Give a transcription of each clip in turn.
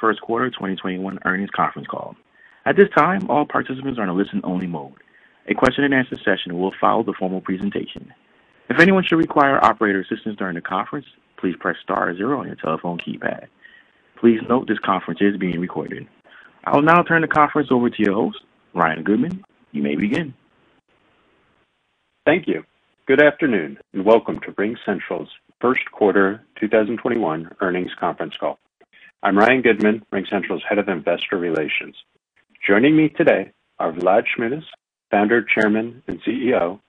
First quarter 2021 earnings conference call. At this time, all participants are in a listen only mode. A Q&A session will follow the formal presentation. If anyone should require operator assistance during the conference, please press star zero on your telephone keypad. Please note this conference is being recorded. I will now turn the conference over to your host, Ryan Goodman. You may begin. Thank you. Good afternoon, and welcome to RingCentral's first quarter 2021 earnings conference call. I'm Ryan Goodman, RingCentral's Head of Investor Relations. Joining me today are Vlad Shmunis, Founder, Chairman, and CEO;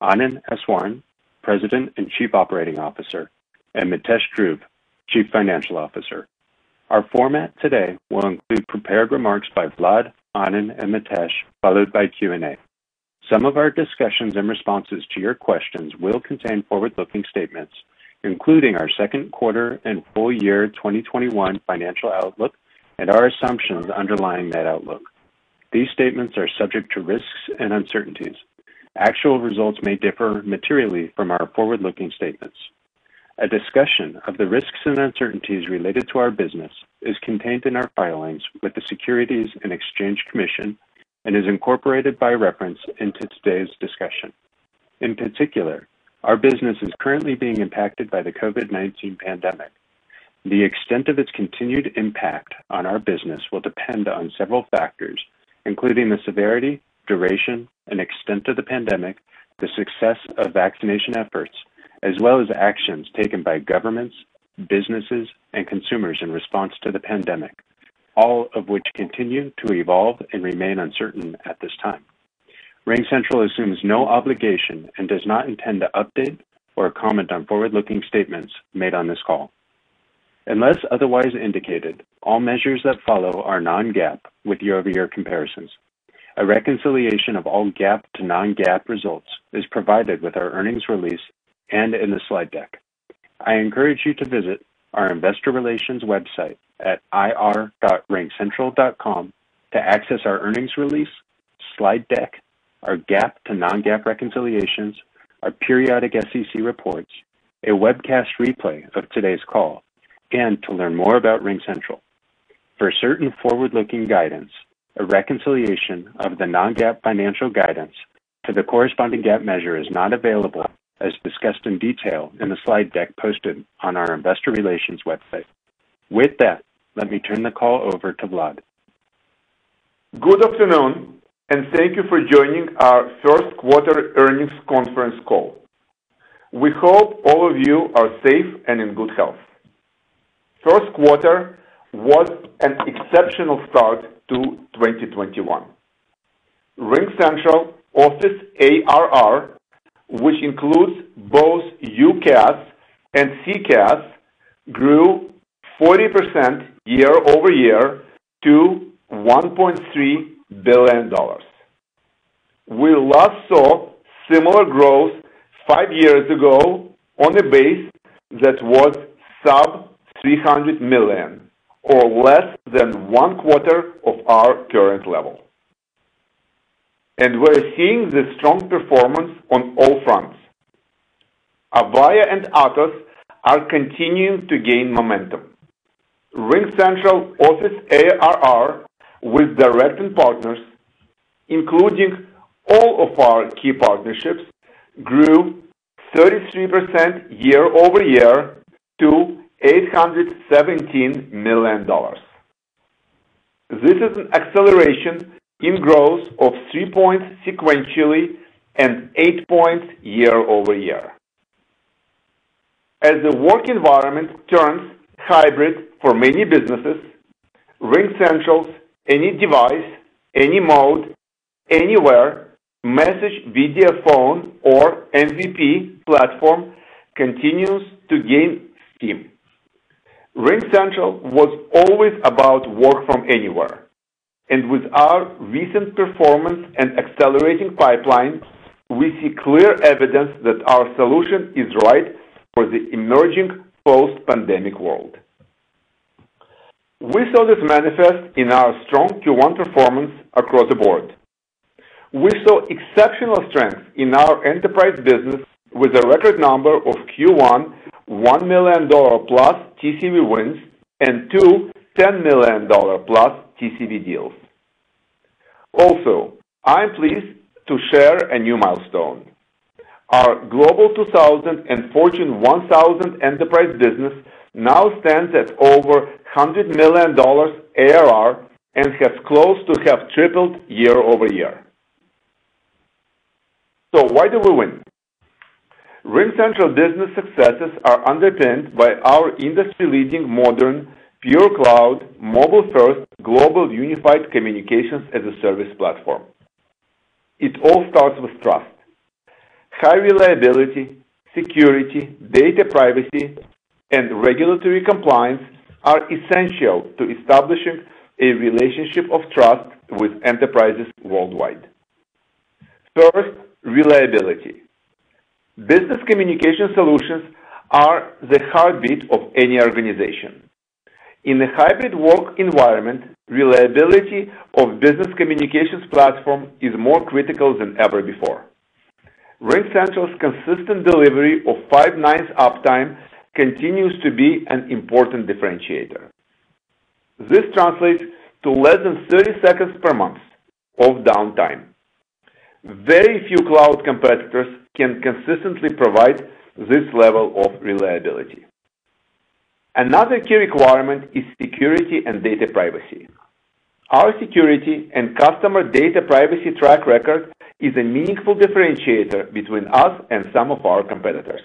Anand Eswaran, President and Chief Operating Officer; and Mitesh Dhruv, Chief Financial Officer. Our format today will include prepared remarks by Vlad, Anand, and Mitesh, followed by Q&A. Some of our discussions in responses to your questions will contain forward-looking statements, including our second quarter and full year 2021 financial outlook and our assumptions underlying that outlook. These statements are subject to risks and uncertainties. Actual results may differ materially from our forward-looking statements. A discussion of the risks and uncertainties related to our business is contained in our filings with the Securities and Exchange Commission and is incorporated by reference into today's discussion. In particular, our business is currently being impacted by the COVID-19 pandemic. The extent of its continued impact on our business will depend on several factors, including the severity, duration, and extent of the pandemic, the success of vaccination efforts, as well as actions taken by governments, businesses, and consumers in response to the pandemic, all of which continue to evolve and remain uncertain at this time. RingCentral assumes no obligation and does not intend to update or comment on forward-looking statements made on this call. Unless otherwise indicated, all measures that follow are non-GAAP with year-over-year comparisons. A reconciliation of all GAAP to non-GAAP results is provided with our earnings release and in the slide deck. I encourage you to visit our investor relations website at ir.ringcentral.com to access our earnings release, slide deck, our GAAP to non-GAAP reconciliations, our periodic SEC reports, a webcast replay of today's call, and to learn more about RingCentral. For certain forward-looking guidance, a reconciliation of the non-GAAP financial guidance to the corresponding GAAP measure is not available, as discussed in detail in the slide deck posted on our investor relations website. With that, let me turn the call over to Vlad. Good afternoon. Thank you for joining our first quarter earnings conference call. We hope all of you are safe and in good health. First quarter was an exceptional start to 2021. RingCentral Office ARR, which includes both UCaaS and CCaaS, grew 40% year-over-year to $1.3 billion. We last saw similar growth five years ago on a base that was sub-$300 million, or less than one quarter of our current level. We're seeing the strong performance on all fronts. Avaya and Atos are continuing to gain momentum. RingCentral Office ARR with direct and partners, including all of our key partnerships, grew 33% year-over-year to $817 million. This is an acceleration in growth of three points sequentially and eight points year-over-year. As the work environment turns hybrid for many businesses, RingCentral's any device, any mode, anywhere, message, video, phone, or MVP platform continues to gain steam. RingCentral was always about work from anywhere. With our recent performance and accelerating pipeline, we see clear evidence that our solution is right for the emerging post-pandemic world. We saw this manifest in our strong Q1 performance across the board. We saw exceptional strength in our enterprise business with a record number of Q1 $1 million-plus TCV wins and two $10 million-plus TCV deals. I'm pleased to share a new milestone. Our Global 2000 and Fortune 1000 enterprise business now stands at over $100 million ARR and has close to have tripled year-over-year. Why do we win? RingCentral business successes are underpinned by our industry-leading, modern, pure cloud, mobile first, global unified communications-as-a-service platform. It all starts with trust. High reliability, security, data privacy, and regulatory compliance are essential to establishing a relationship of trust with enterprises worldwide. First, reliability. Business communication solutions are the heartbeat of any organization. In a hybrid work environment, reliability of business communications platform is more critical than ever before. RingCentral's consistent delivery of five nines uptime continues to be an important differentiator. This translates to less than 30 seconds per month of downtime. Very few cloud competitors can consistently provide this level of reliability. Another key requirement is security and data privacy. Our security and customer data privacy track record is a meaningful differentiator between us and some of our competitors,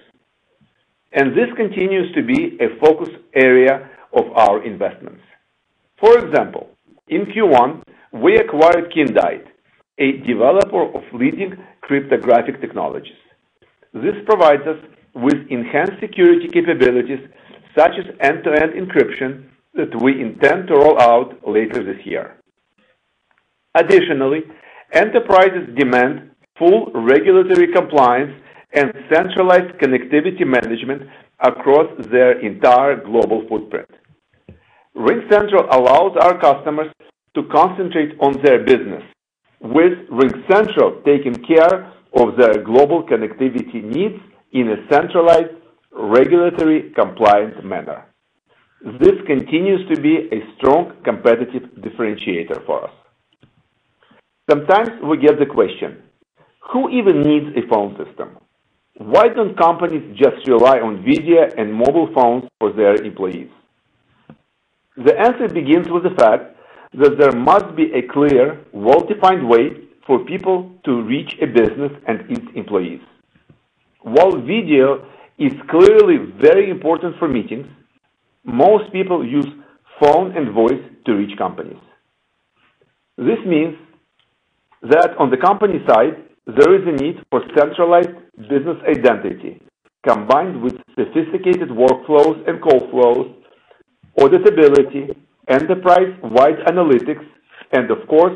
and this continues to be a focus area of our investments. For example, in Q1, we acquired Kindite, a developer of leading cryptographic technologies. This provides us with enhanced security capabilities such as end-to-end encryption that we intend to roll out later this year. Additionally, enterprises demand full regulatory compliance and centralized connectivity management across their entire global footprint. RingCentral allows our customers to concentrate on their business, with RingCentral taking care of their global connectivity needs in a centralized, regulatory compliant manner. This continues to be a strong competitive differentiator for us. Sometimes we get the question, who even needs a phone system? Why don't companies just rely on video and mobile phones for their employees? The answer begins with the fact that there must be a clear, well-defined way for people to reach a business and its employees. While video is clearly very important for meetings, most people use phone and voice to reach companies. This means that on the company side, there is a need for centralized business identity combined with sophisticated workflows and call flows, auditability, enterprise-wide analytics, and of course,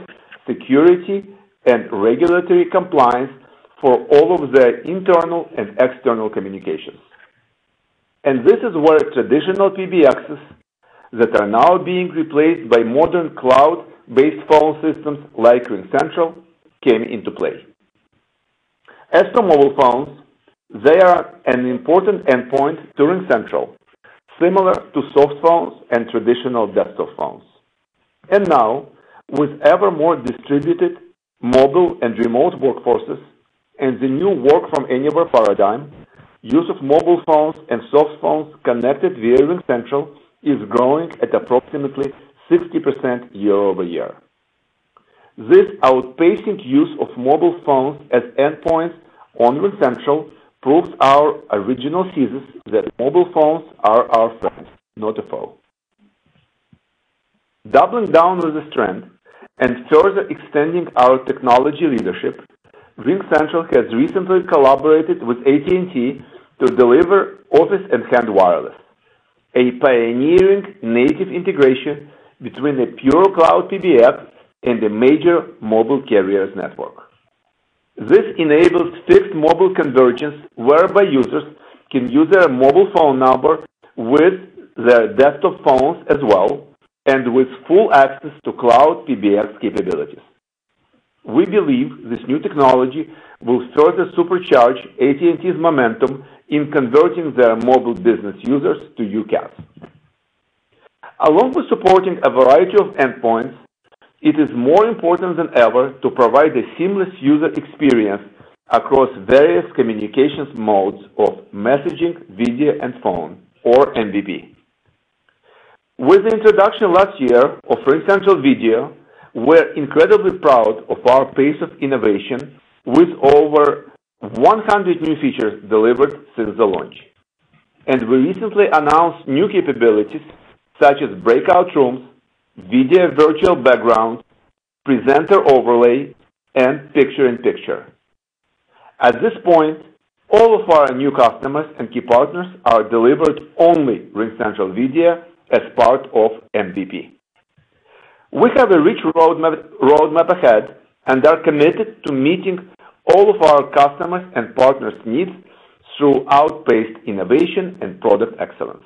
security and regulatory compliance for all of their internal and external communications. This is where traditional PBXs that are now being replaced by modern cloud-based phone systems like RingCentral, come into play. As for mobile phones, they are an important endpoint to RingCentral, similar to softphones and traditional desktop phones. Now, with ever more distributed mobile and remote workforces and the new work from anywhere paradigm, use of mobile phones and softphones connected via RingCentral is growing at approximately 60% year-over-year. This outpacing use of mobile phones as endpoints on RingCentral proves our original thesis that mobile phones are our friend, not a foe. Doubling down on the strength and further extending our technology leadership, RingCentral has recently collaborated with AT&T to deliver Office@Hand Wireless, a pioneering native integration between a pure cloud PBX and a major mobile carrier's network. This enables fixed mobile convergence, whereby users can use their mobile phone number with their desktop phones as well, and with full access to cloud PBX capabilities. We believe this new technology will further supercharge AT&T's momentum in converting their mobile business users to UCaaS. Along with supporting a variety of endpoints, it is more important than ever to provide a seamless user experience across various communications modes of messaging, video, and phone or MVP. With the introduction last year of RingCentral Video, we're incredibly proud of our pace of innovation with over 100 new features delivered since the launch. We recently announced new capabilities such as breakout rooms, video virtual backgrounds, presenter overlay, and picture-in-picture. At this point, all of our new customers and key partners are delivered only RingCentral Video as part of MVP. We have a rich roadmap ahead and are committed to meeting all of our customers' and partners' needs through outpaced innovation and product excellence.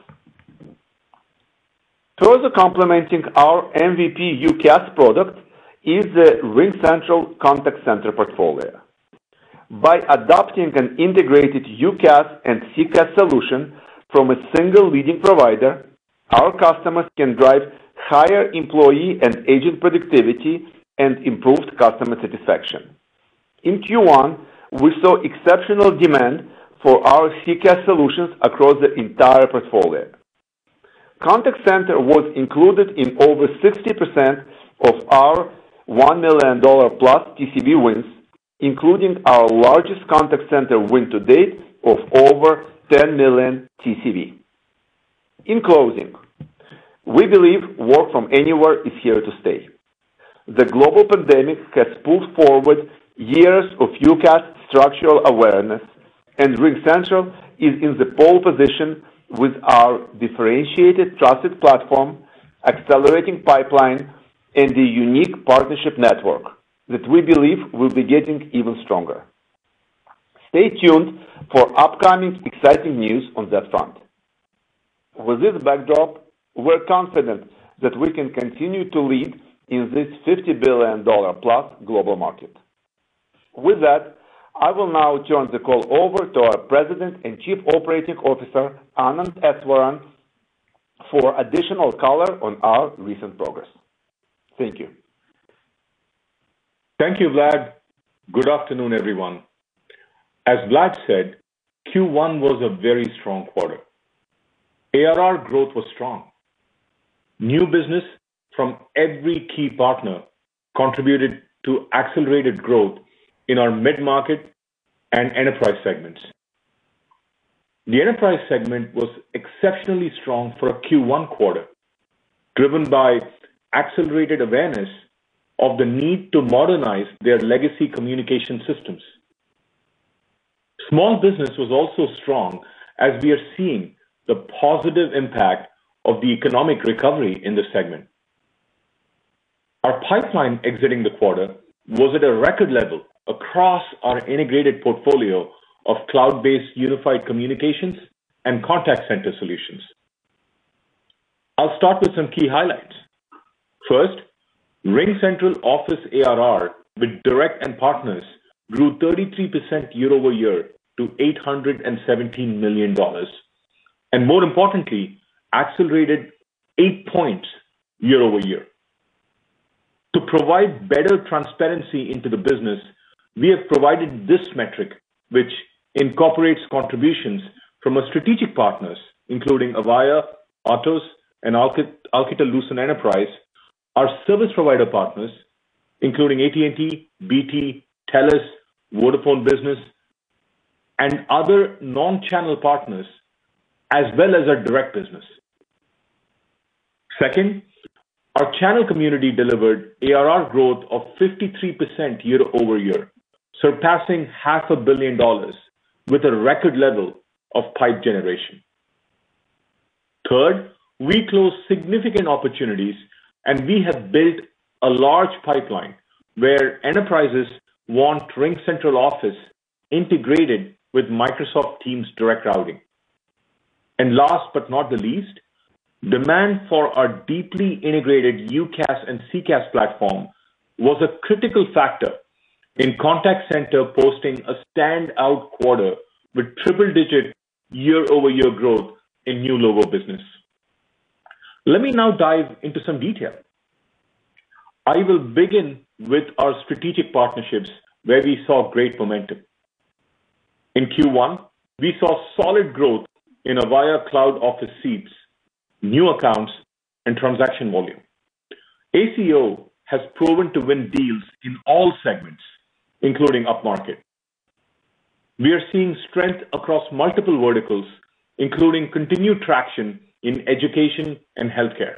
Further complementing our MVP UCaaS product is the RingCentral Contact Center portfolio. By adopting an integrated UCaaS and CCaaS solution from a single leading provider, our customers can drive higher employee and agent productivity and improved customer satisfaction. In Q1, we saw exceptional demand for our CCaaS solutions across the entire portfolio. Contact center was included in over 60% of our $1 million-plus TCV wins, including our largest contact center win to date of over $10 million TCV. In closing, we believe work from anywhere is here to stay. The global pandemic has pushed forward years of UCaaS structural awareness. RingCentral is in the pole position with our differentiated trusted platform, accelerating pipeline, and a unique partnership network that we believe will be getting even stronger. Stay tuned for upcoming exciting news on that front. With this backdrop, we're confident that we can continue to lead in this $50 billion-plus global market. With that, I will now turn the call over to our President and Chief Operating Officer, Anand Eswaran, for additional color on our recent progress. Thank you. Thank you, Vlad. Good afternoon, everyone. As Vlad said, Q1 was a very strong quarter. ARR growth was strong. New business from every key partner contributed to accelerated growth in our mid-market and enterprise segments. The enterprise segment was exceptionally strong for a Q1 quarter, driven by accelerated awareness of the need to modernize their legacy communication systems. Small business was also strong as we are seeing the positive impact of the economic recovery in this segment. Our pipeline exiting the quarter was at a record level across our integrated portfolio of cloud-based unified communications and contact center solutions. I'll start with some key highlights. First, RingCentral Office ARR with direct and partners grew 33% year-over-year to $817 million, and more importantly, accelerated eight points year-over-year. To provide better transparency into the business, we have provided this metric, which incorporates contributions from our strategic partners, including Avaya, Atos, and Alcatel-Lucent Enterprise, our service provider partners, including AT&T, BT, Telus, Vodafone Business, and other non-channel partners, as well as our direct business. Second, our channel community delivered ARR growth of 53% year-over-year, surpassing half a billion dollars with a record level of pipe generation. Third, we closed significant opportunities, and we have built a large pipeline where enterprises want RingCentral Office integrated with Microsoft Teams Direct Routing. Last but not the least, demand for our deeply integrated UCaaS and CCaaS platform was a critical factor in contact center posting a standout quarter with triple digit year-over-year growth in new logo business. Let me now dive into some detail. I will begin with our strategic partnerships where we saw great momentum. In Q1, we saw solid growth in Avaya Cloud Office seats, new accounts, and transaction volume. ACO has proven to win deals in all segments, including upmarket. We are seeing strength across multiple verticals, including continued traction in education and healthcare.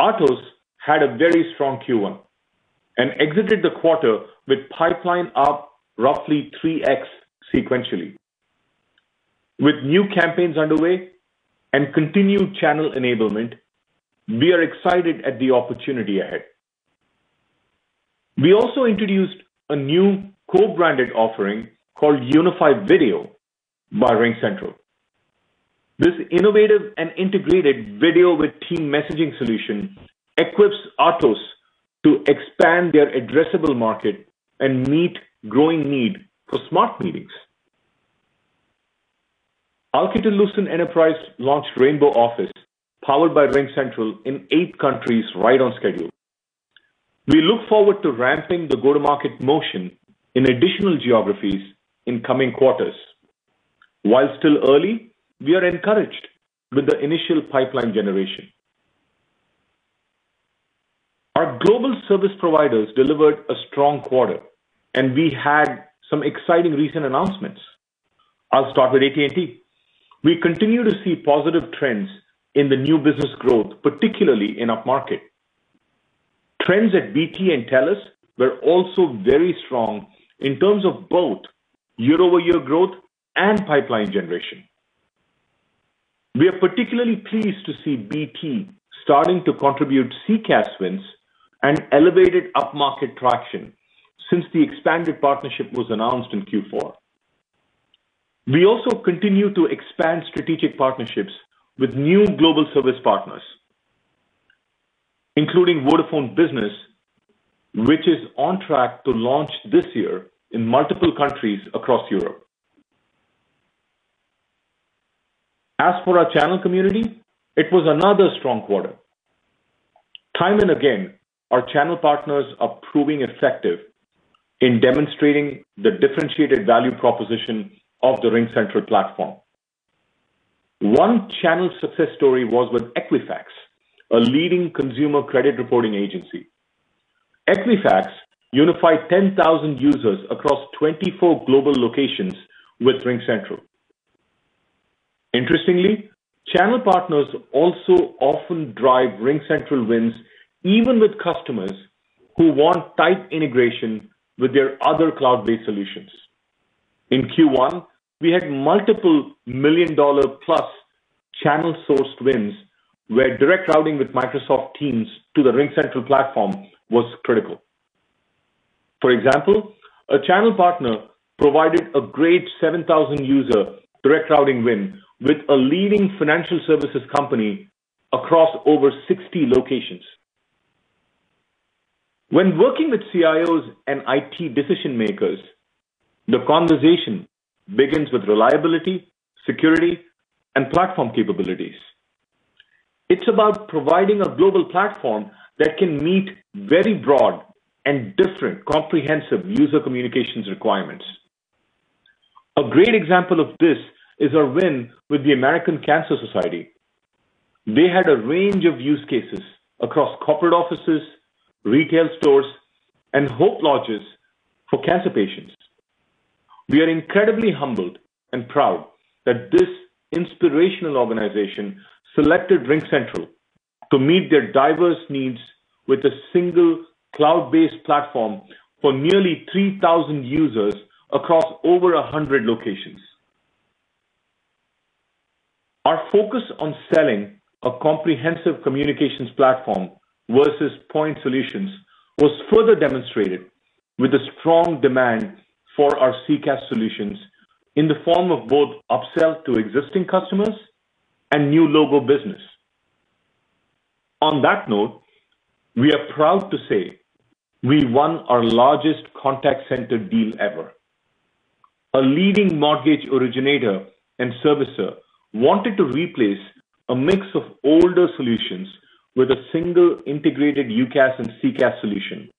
Atos had a very strong Q1 and exited the quarter with pipeline up roughly 3x sequentially. With new campaigns underway and continued channel enablement, we are excited at the opportunity ahead. We also introduced a new co-branded offering called Unify Video by RingCentral. This innovative and integrated video with team messaging solution equips Atos to expand their addressable market and meet growing need for smart meetings. Alcatel-Lucent Enterprise launched Rainbow Office, powered by RingCentral, in eight countries right on schedule. We look forward to ramping the go-to-market motion in additional geographies in coming quarters. While still early, we are encouraged with the initial pipeline generation. Our global service providers delivered a strong quarter, and we had some exciting recent announcements. I'll start with AT&T. We continue to see positive trends in the new business growth, particularly in upmarket. Trends at BT and Telus were also very strong in terms of both year-over-year growth and pipeline generation. We are particularly pleased to see BT starting to contribute CCaaS wins and elevated upmarket traction since the expanded partnership was announced in Q4. We also continue to expand strategic partnerships with new global service partners, including Vodafone Business, which is on track to launch this year in multiple countries across Europe. As for our channel community, it was another strong quarter. Time and again, our channel partners are proving effective in demonstrating the differentiated value proposition of the RingCentral platform. One channel success story was with Equifax, a leading consumer credit reporting agency. Equifax unified 10,000 users across 24 global locations with RingCentral. Interestingly, channel partners also often drive RingCentral wins, even with customers who want tight integration with their other cloud-based solutions. In Q1, we had multiple million-dollar-plus channel sourced wins, where Direct Routing with Microsoft Teams to the RingCentral platform was critical. For example, a channel partner provided a great 7,000-user Direct Routing win with a leading financial services company across over 60 locations. When working with CIOs and IT decision-makers, the conversation begins with reliability, security, and platform capabilities. It's about providing a global platform that can meet very broad and different comprehensive user communications requirements. A great example of this is our win with the American Cancer Society. They had a range of use cases across corporate offices, retail stores, and Hope Lodges for cancer patients. We are incredibly humbled and proud that this inspirational organization selected RingCentral to meet their diverse needs with a single cloud-based platform for nearly 3,000 users across over 100 locations. Our focus on selling a comprehensive communications platform versus point solutions was further demonstrated with a strong demand for our CCaaS solutions in the form of both upsell to existing customers and new logo business. We are proud to say we won our largest contact center deal ever. A leading mortgage originator and servicer wanted to replace a mix of older solutions with a single integrated UCaaS and CCaaS solution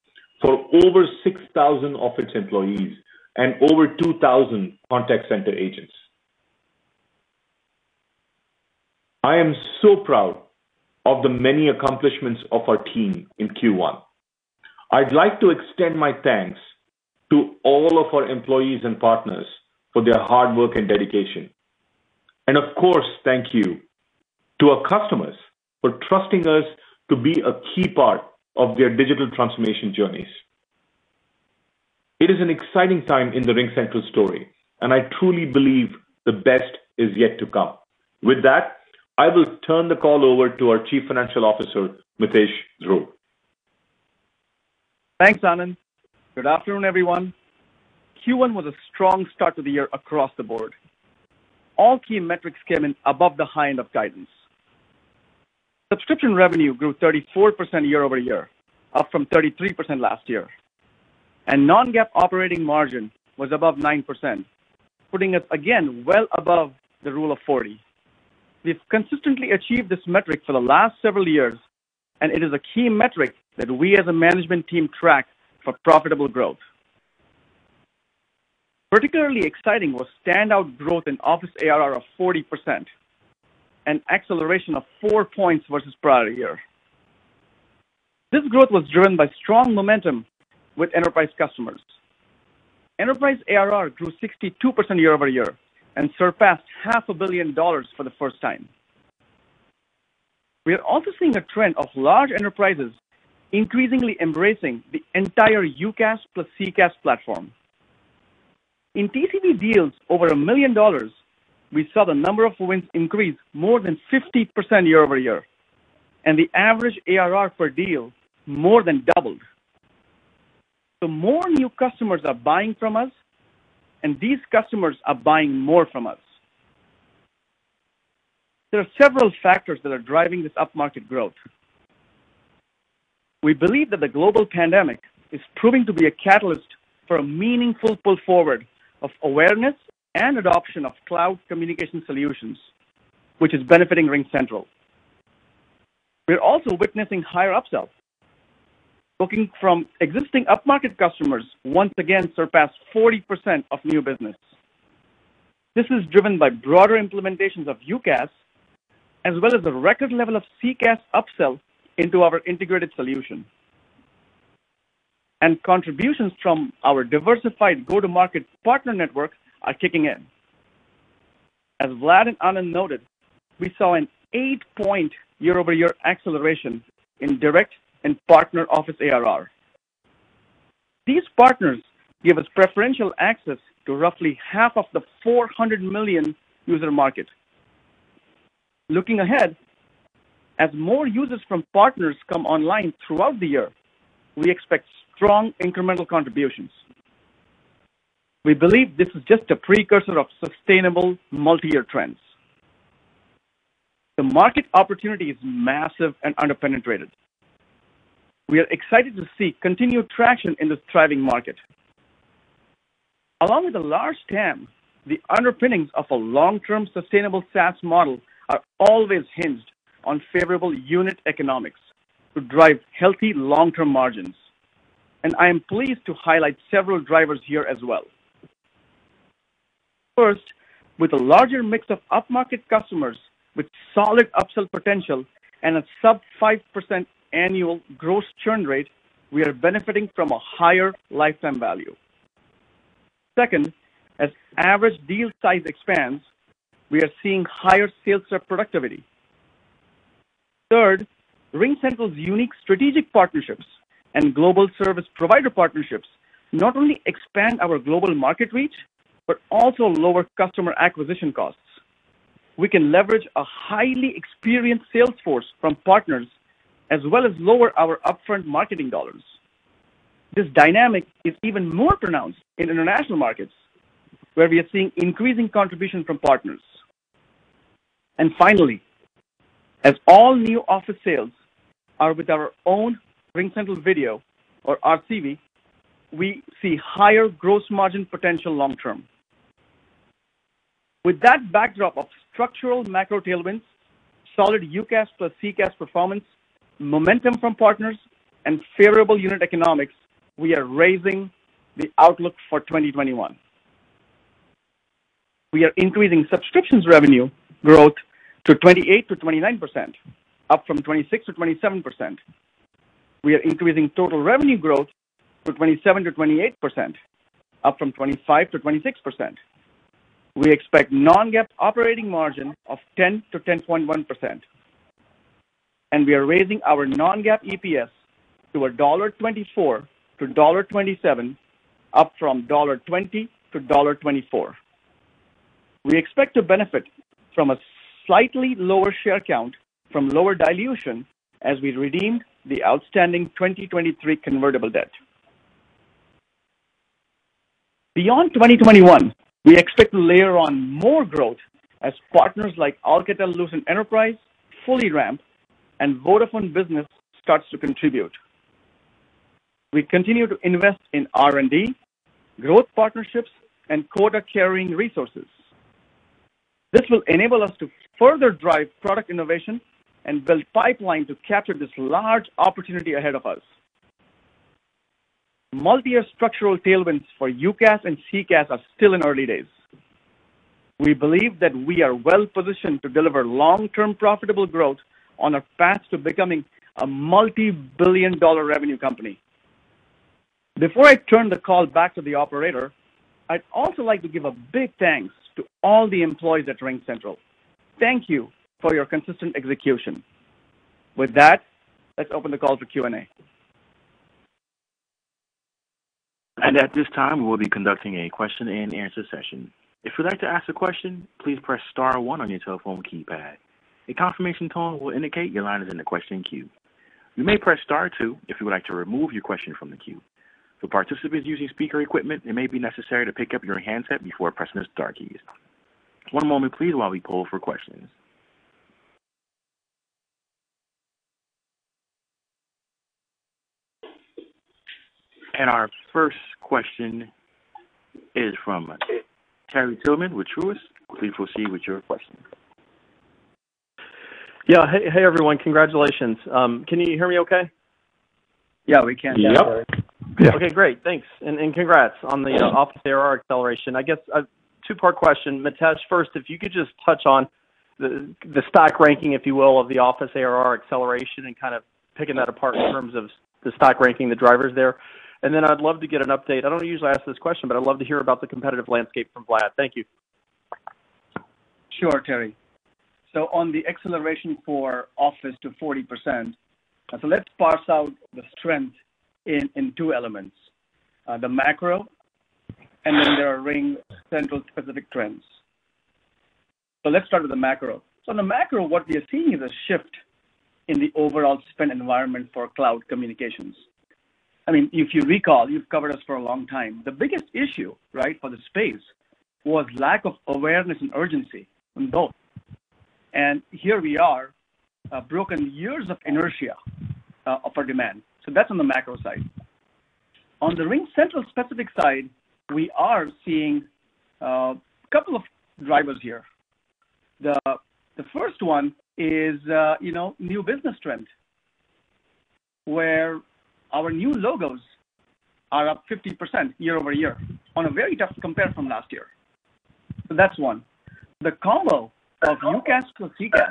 for over 6,000 office employees and over 2,000 contact center agents. I am so proud of the many accomplishments of our team in Q1. I'd like to extend my thanks to all of our employees and partners for their hard work and dedication. Of course, thank you to our customers for trusting us to be a key part of their digital transformation journeys. It is an exciting time in the RingCentral story, and I truly believe the best is yet to come. With that, I will turn the call over to our Chief Financial Officer, Mitesh Dhruv. Thanks, Anand. Good afternoon, everyone. Q1 was a strong start to the year across the board. All key metrics came in above the high end of guidance. Subscription revenue grew 34% year-over-year, up from 33% last year, and non-GAAP operating margin was above 9%, putting us again well above the Rule of 40. We've consistently achieved this metric for the last several years, and it is a key metric that we as a management team track for profitable growth. Particularly exciting was standout growth in Office ARR of 40%, an acceleration of four points versus prior year. This growth was driven by strong momentum with enterprise customers. Enterprise ARR grew 62% year-over-year and surpassed half a billion dollars for the first time. We are also seeing a trend of large enterprises increasingly embracing the entire UCaaS plus CCaaS platform. In TCV deals over $1 million, we saw the number of wins increase more than 50% year-over-year, and the average ARR per deal more than doubled. More new customers are buying from us, and these customers are buying more from us. There are several factors that are driving this up-market growth. We believe that the global pandemic is proving to be a catalyst for a meaningful pull forward of awareness and adoption of cloud communication solutions, which is benefiting RingCentral. We are also witnessing higher upsells. Booking from existing up-market customers once again surpassed 40% of new business. This is driven by broader implementations of UCaaS, as well as a record level of CCaaS upsell into our integrated solution. Contributions from our diversified go-to-market partner network are kicking in. As Vlad and Anand noted, we saw an eight-point year-over-year acceleration in direct and partner office ARR. These partners give us preferential access to roughly half of the 400 million user market. Looking ahead, as more users from partners come online throughout the year, we expect strong incremental contributions. We believe this is just a precursor of sustainable multiyear trends. The market opportunity is massive and underpenetrated. We are excited to see continued traction in this thriving market. Along with a large TAM, the underpinnings of a long-term sustainable SaaS model are always hinged on favorable unit economics to drive healthy long-term margins, and I am pleased to highlight several drivers here as well. First, with a larger mix of up-market customers with solid upsell potential and a sub 5% annual gross churn rate, we are benefiting from a higher lifetime value. Second, as average deal size expands, we are seeing higher sales rep productivity. Third, RingCentral's unique strategic partnerships and global service provider partnerships not only expand our global market reach but also lower customer acquisition costs. We can leverage a highly experienced sales force from partners as well as lower our upfront marketing dollars. This dynamic is even more pronounced in international markets, where we are seeing increasing contribution from partners. Finally, as all new office sales are with our own RingCentral Video, or RCV, we see higher gross margin potential long term. With that backdrop of structural macro tailwinds, solid UCaaS plus CCaaS performance, momentum from partners, and favorable unit economics, we are raising the outlook for 2021. We are increasing subscriptions revenue growth to 28%-29%, up from 26%-27%. We are increasing total revenue growth to 27%-28%, up from 25%-26%. We expect non-GAAP operating margin of 10%-10.1%. We are raising our non-GAAP EPS to $1.24-$1.27, up from $1.20-$1.24. We expect to benefit from a slightly lower share count from lower dilution as we redeem the outstanding 2023 convertible debt. Beyond 2021, we expect to layer on more growth as partners like Alcatel-Lucent Enterprise fully ramp and Vodafone Business starts to contribute. We continue to invest in R&D, growth partnerships, and quota-carrying resources. This will enable us to further drive product innovation and build pipeline to capture this large opportunity ahead of us. Multi-year structural tailwinds for UCaaS and CCaaS are still in the early days. We believe that we are well-positioned to deliver long-term profitable growth on our path to becoming a multi-billion dollar revenue company. Before I turn the call back to the operator, I'd also like to give a big thanks to all the employees at RingCentral. Thank you for your consistent execution. With that, let's open the call to Q&A. At this time, we will be conducting a Q&A session. If you'd like to ask a question, please press star one on your telephone keypad. The confimation tone will indicate that your line is in the question queue. You may press star two if you would like to remove your question from the queue. For participants using speakerphone equipment, it may be necessary to pick up your handset before pressing the star key. Our first question is from Terry Tillman with Truist. Please proceed with your question. Yeah. Hey, everyone. Congratulations. Can you hear me okay? Yeah, we can. Yep. Yeah. Okay, great. Thanks. Congrats on the Office ARR acceleration. I guess a two-part question. Mitesh, first, if you could just touch on the stock ranking, if you will, of the Office ARR acceleration and kind of picking that apart in terms of the stock ranking, the drivers there. Then I'd love to get an update. I don't usually ask this question, but I'd love to hear about the competitive landscape from Vlad. Thank you. Sure, Terry. On the acceleration for RingCentral Office to 40%, let's parse out the strength in two elements, the macro and then there are RingCentral-specific trends. Let's start with the macro. On the macro, what we are seeing is a shift in the overall spend environment for cloud communications. If you recall, you've covered us for a long time. The biggest issue for the space was lack of awareness and urgency on both. Here we are, broken years of inertia for demand. That's on the macro side. On the RingCentral specific side, we are seeing a couple of drivers here. The first one is new business trend, where our new logos are up 50% year-over-year on a very tough compare from last year. That's one. The combo of UCaaS plus CCaaS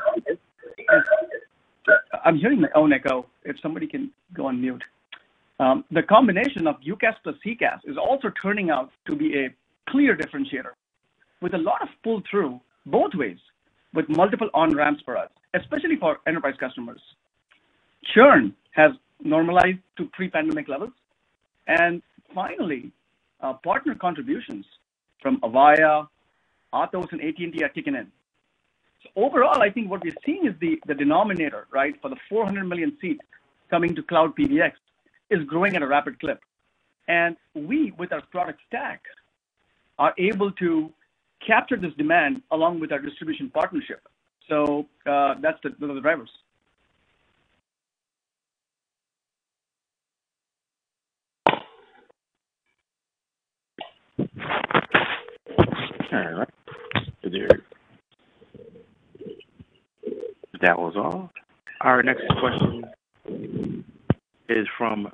I'm hearing my own echo. If somebody can go on mute. The combination of UCaaS plus CCaaS is also turning out to be a clear differentiator with a lot of pull-through both ways with multiple on-ramps for us, especially for enterprise customers. Churn has normalized to pre-pandemic levels. Finally, partner contributions from Avaya, Atos, and AT&T are kicking in. Overall, I think what we're seeing is the denominator for the 400 million seats coming to cloud PBX is growing at a rapid clip. We, with our product stack, are able to capture this demand along with our distribution partnership. That's the drivers. All right. That was all. Our next question is from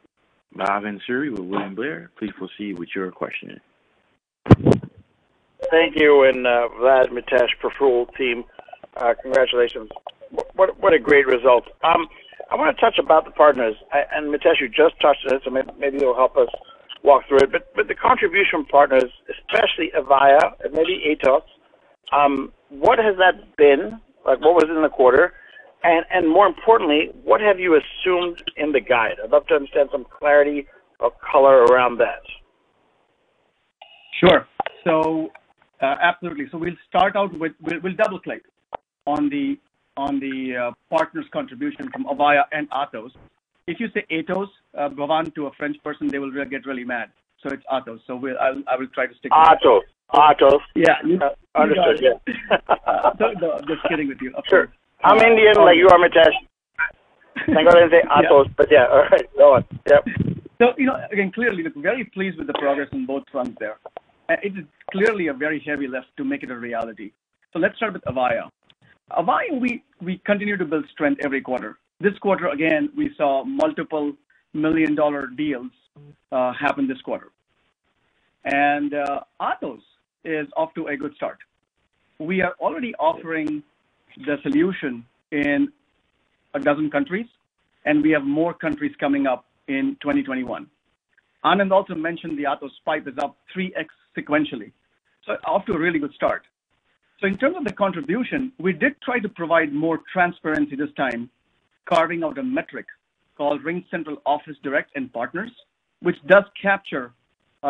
Bhavin Suri with William Blair. Please proceed with your question. Thank you, Vlad, Mitesh, for full team, congratulations. What a great result. I want to touch about the partners. Mitesh, you just touched on this, and maybe you'll help us walk through it. The contribution partners, especially Avaya and maybe Atos, what has that been? What was it in the quarter? More importantly, what have you assumed in the guide? I'd love to understand some clarity of color around that. Sure. Absolutely. We'll double-click on the partners' contribution from Avaya and Atos. If you say Atos, Bhavin, to a French person, they will get really mad. It's Atos. I will try to stick with that. Atos. Yeah. Understood, yeah. No, I'm just kidding with you. Sure. I'm Indian, like you are, Mitesh. I got to say Atos, but yeah. All right. Go on. Yep. Again, clearly, very pleased with the progress on both fronts there. It is clearly a very heavy lift to make it a reality. Let's start with Avaya. Avaya, we continue to build strength every quarter. This quarter, again, we saw multiple million-dollar deals happen this quarter. Atos is off to a good start. We are already offering the solution in a dozen countries, and we have more countries coming up in 2021. Anand also mentioned the Atos pipe is up 3x sequentially. Off to a really good start. In terms of the contribution, we did try to provide more transparency this time, carving out a metric called RingCentral Office Direct and Partners, which does capture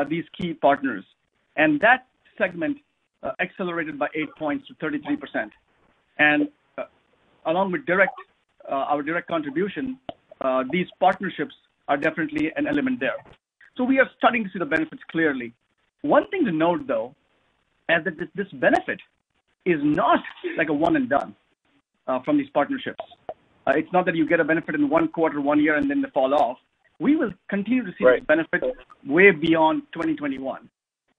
these key partners. That segment accelerated by eight points to 33%. Along with our direct contribution, these partnerships are definitely an element there. We are starting to see the benefits clearly. One thing to note, though, is that this benefit is not like a one and done from these partnerships. It's not that you get a benefit in one quarter, one year, and then they fall off. We will continue to see- Right. the benefits way beyond 2021.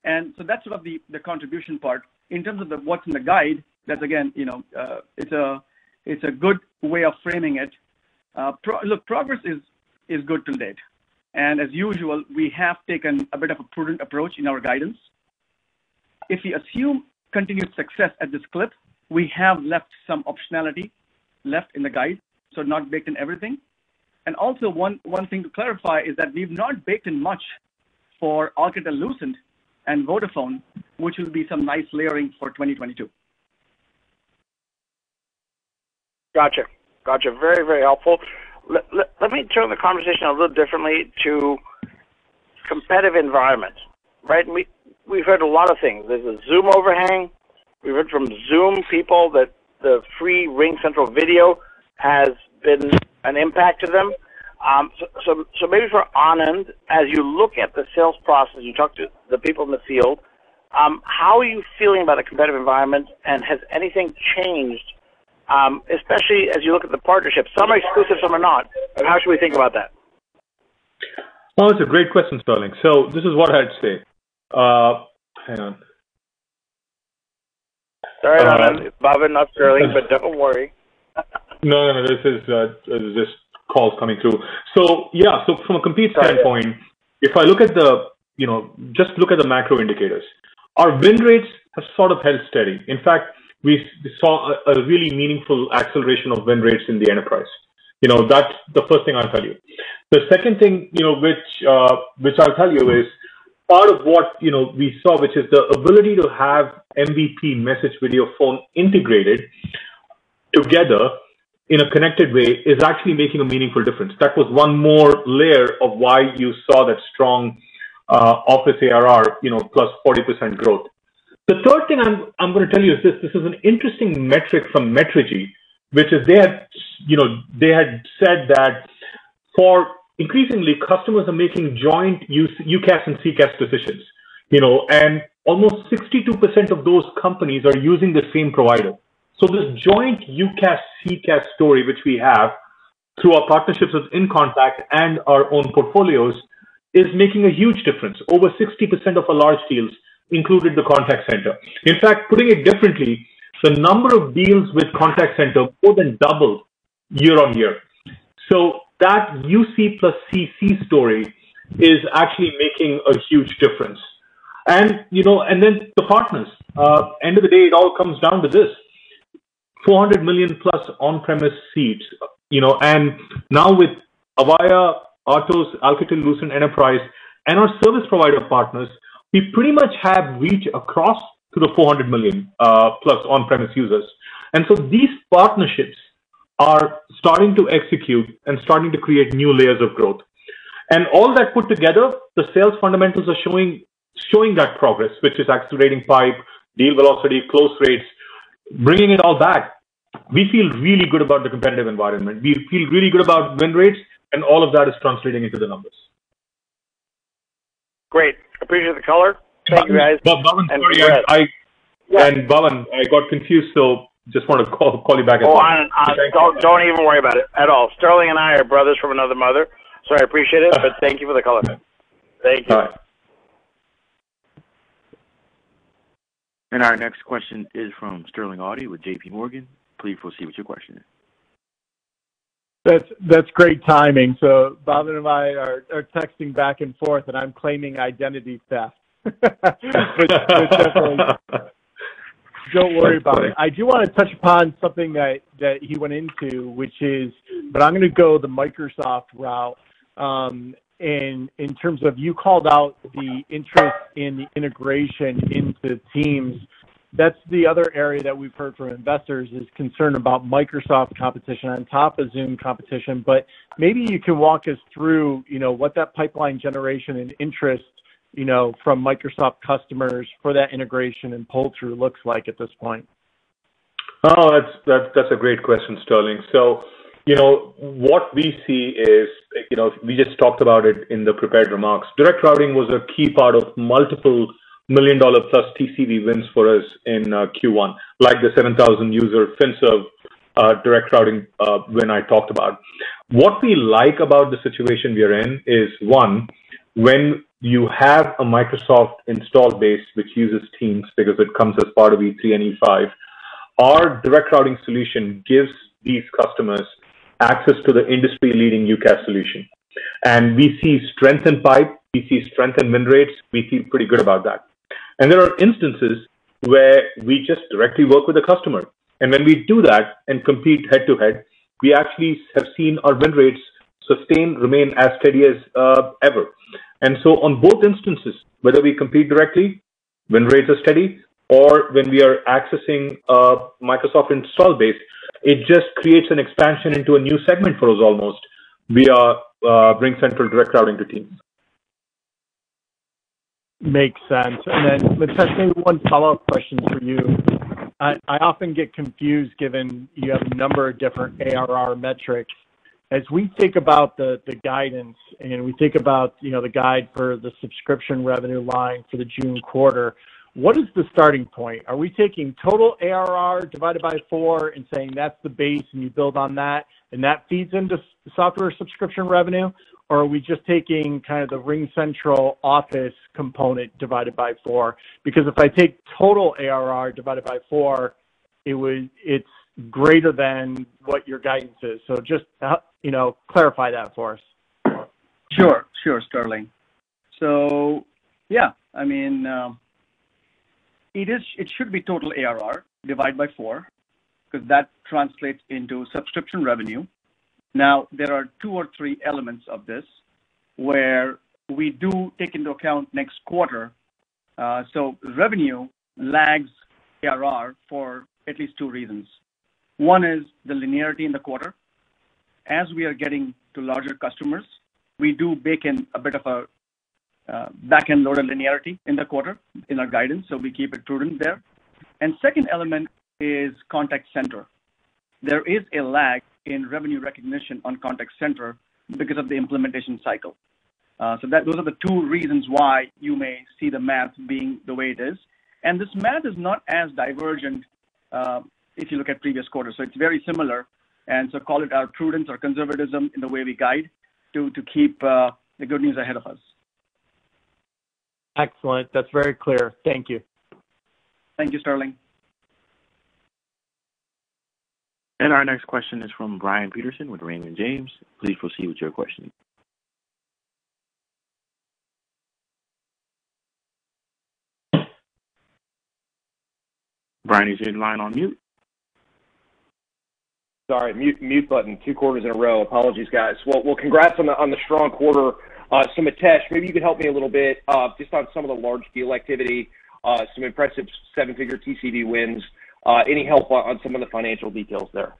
That's sort of the contribution part. In terms of the what and the guide, that's again, it's a good way of framing it. Look, progress is good to date. As usual, we have taken a bit of a prudent approach in our guidance. If we assume continued success at this clip, we have left some optionality left in the guide, so not baked in everything. Also one thing to clarify is that we've not baked in much for Alcatel-Lucent and Vodafone, which will be some nice layering for 2022. Got you. Very helpful. Let me turn the conversation a little differently to competitive environments, right? We've heard a lot of things. There's a Zoom overhang. We've heard from Zoom people that the free RingCentral Video has been an impact to them. So maybe for Anand, as you look at the sales process, you talk to the people in the field, how are you feeling about the competitive environment, and has anything changed, especially as you look at the partnerships? Some are exclusive, some are not. How should we think about that? Well, it's a great question, Sterling. This is what I'd say. Hang on. Sorry, Anand. Bhavin, not Sterling, don't worry. No, this call's coming through. Yeah, so from a complete standpoint. Right. If I look at the macro indicators, our win rates have sort of held steady. In fact, we saw a really meaningful acceleration of win rates in the enterprise. That's the first thing I'll tell you. The second thing which I'll tell you is part of what we saw, which is the ability to have MVP message video phone integrated together in a connected way, is actually making a meaningful difference. That was one more layer of why you saw that strong Office ARR +40% growth. The third thing I'm going to tell you is this. This is an interesting metric from Metrigy, which is they had said that increasingly, customers are making joint UCaaS and CCaaS decisions. Almost 62% of those companies are using the same provider. This joint UCaaS CCaaS story, which we have through our partnerships with inContact and our own portfolios, is making a huge difference. Over 60% of our large deals included the contact center. In fact, putting it differently, the number of deals with contact center more than doubled year-over-year. That UC plus CC story is actually making a huge difference. The partners. End of the day, it all comes down to this: 400 million-plus on-premise seats. With Avaya, Atos, Alcatel-Lucent Enterprise, and our service provider partners, we pretty much have reach across to the 400 million-plus on-premise users. These partnerships are starting to execute and starting to create new layers of growth. All that put together, the sales fundamentals are showing that progress, which is accelerating pipe, deal velocity, close rates, bringing it all back. We feel really good about the competitive environment. We feel really good about win rates. All of that is translating into the numbers. Great. Appreciate the color. Thank you, guys. Bhavin Suri, sorry. Yeah. Bhavin Suri, I got confused, so just want to call you back as well. Oh, Anand, don't even worry about it at all. Sterling and I are brothers from another mother, so I appreciate it, but thank you for the color. Okay. Thank you. All right. Our next question is from Sterling Auty with JPMorgan. Please proceed with your question. That's great timing. Bhavin and I are texting back and forth, and I'm claiming identity theft. Don't worry about it. I do want to touch upon something that he went into, which is, but I'm going to go the Microsoft route. In terms of you called out the interest in the integration into Teams. That's the other area that we've heard from investors, is concern about Microsoft competition on top of Zoom competition. Maybe you can walk us through what that pipeline generation and interest from Microsoft customers for that integration and pull-through looks like at this point. Oh, that's a great question, Sterling. What we see is, we just talked about it in the prepared remarks. Direct Routing was a key part of multiple million-dollar plus TCV wins for us in Q1, like the 7,000 user FinServ Direct Routing win I talked about. What we like about the situation we are in is, one, when you have a Microsoft install base which uses Teams because it comes as part of E3 and E5, our Direct Routing solution gives these customers access to the industry-leading UCaaS solution. We see strength in pipe, we see strength in win rates. We feel pretty good about that. There are instances where we just directly work with the customer. When we do that and compete head-to-head, we actually have seen our win rates sustained, remain as steady as ever. On both instances, whether we compete directly, win rates are steady, or when we are accessing a Microsoft install base, it just creates an expansion into a new segment for us almost via RingCentral Direct Routing to Teams. Makes sense. Mitesh, maybe one follow-up question for you. I often get confused given you have a number of different ARR metrics. We think about the guidance and we think about the guide for the subscription revenue line for the June quarter, what is the starting point? Are we taking total ARR divided by four and saying that's the base and you build on that, and that feeds into software subscription revenue? Or are we just taking kind of the RingCentral Office component divided by four? If I take total ARR divided by four, it's greater than what your guidance is. Just clarify that for us. Sure, Sterling. It should be total ARR divided by four, because that translates into subscription revenue. There are two or three elements of this where we do take into account next quarter. Revenue lags ARR for at least two reasons. One is the linearity in the quarter. As we are getting to larger customers, we do bake in a bit of a back-end load of linearity in the quarter in our guidance, we keep it prudent there. Second element is contact center. There is a lag in revenue recognition on contact center because of the implementation cycle. Those are the two reasons why you may see the math being the way it is. This math is not as divergent if you look at previous quarters, it's very similar. Call it our prudence or conservatism in the way we guide to keep the good news ahead of us. Excellent. That's very clear. Thank you. Thank you, Sterling. Our next question is from Brian Peterson with Raymond James. Please proceed with your question. Brian, is your line on mute? Sorry, mute button, two quarters in a row. Apologies, guys. Well, congrats on the strong quarter. Mitesh, maybe you could help me a little bit, just on some of the large deal activity, some impressive seven-figure TCV wins. Any help on some of the financial details there?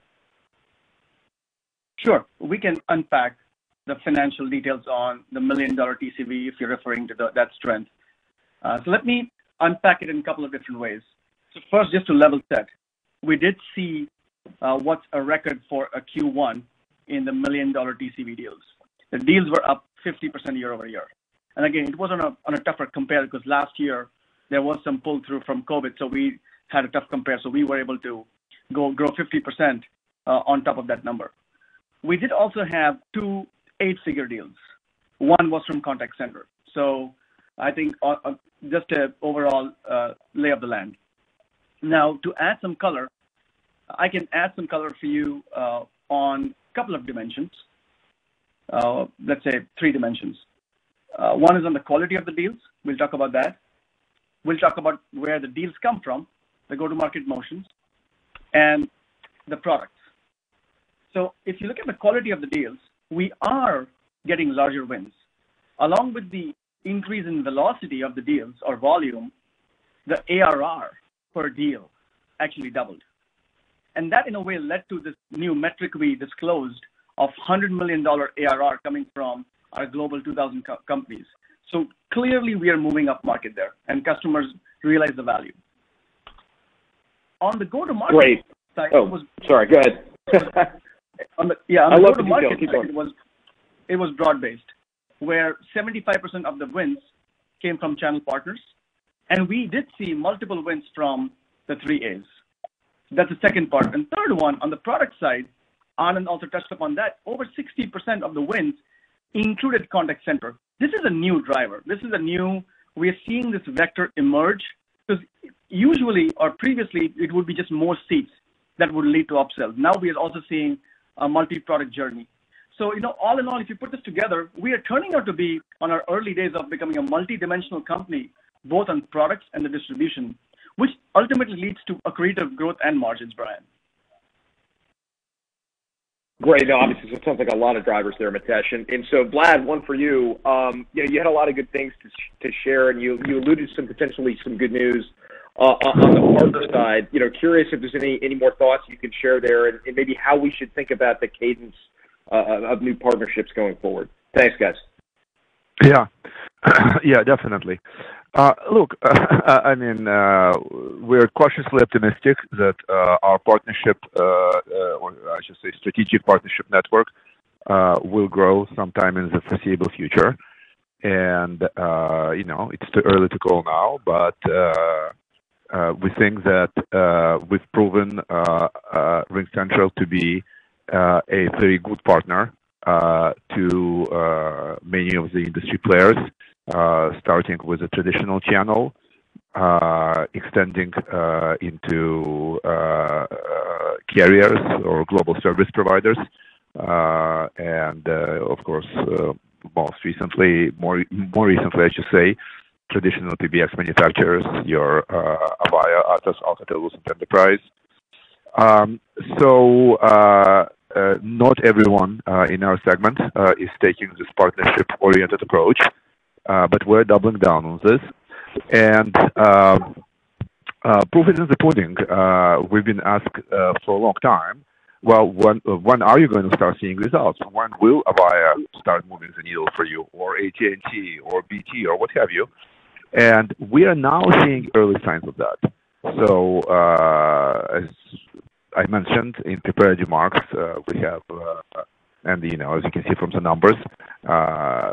Sure. We can unpack the financial details on the million-dollar TCV, if you're referring to that strength. Let me unpack it in a couple of different ways. First, just to level set, we did see what's a record for a Q1 in the million-dollar TCV deals. The deals were up 50% year-over-year. Again, it was on a tougher compare because last year there was some pull-through from COVID, we had a tough compare. We were able to grow 50% on top of that number. We did also have two eight-figure deals. One was from Contact Center. I think just an overall lay of the land. Now, to add some color, I can add some color for you on a couple of dimensions. Let's say three dimensions. One is on the quality of the deals. We'll talk about that. We'll talk about where the deals come from, the go-to-market motions, and the products. If you look at the quality of the deals, we are getting larger wins. Along with the increase in velocity of the deals, or volume, the ARR per deal actually doubled. That, in a way, led to this new metric we disclosed of $100 million ARR coming from our global 2,000 companies. Clearly, we are moving up market there, and customers realize the value. On the go-to-market- Wait. Oh, sorry. Go ahead. On the, yeah- I love detail. Keep going. on the go-to-market side, it was broad-based, where 75% of the wins came from channel partners, and we did see multiple wins from the three As. That's the second part. Third one, on the product side, Anand also touched upon that, over 60% of the wins included contact center. This is a new driver. We are seeing this vector emerge, because usually or previously, it would be just more seats that would lead to upsells. Now we are also seeing a multi-product journey. All in all, if you put this together, we are turning out to be on our early days of becoming a multidimensional company, both on products and the distribution, which ultimately leads to accretive growth and margins, Brian. Great. Obviously, it sounds like a lot of drivers there, Mitesh. Vlad, one for you. You had a lot of good things to share, and you alluded to potentially some good news on the partner side. Curious if there's any more thoughts you could share there, and maybe how we should think about the cadence of new partnerships going forward. Thanks, guys. Yeah. Yeah, definitely. We're cautiously optimistic that our partnership, or I should say strategic partnership network, will grow sometime in the foreseeable future. It's too early to call now, but we think that we've proven RingCentral to be a very good partner to many of the industry players, starting with the traditional channel, extending into carriers or global service providers, and of course, more recently, I should say, traditional PBX manufacturers, your Avaya, Alcatel-Lucent Enterprise. Not everyone in our segment is taking this partnership-oriented approach, but we're doubling down on this. Proof is in the pudding. We've been asked for a long time, "Well, when are you going to start seeing results? When will Avaya start moving the needle for you, or AT&T or BT," or what have you. We are now seeing early signs of that. As I mentioned in prepared remarks, and as you can see from the numbers,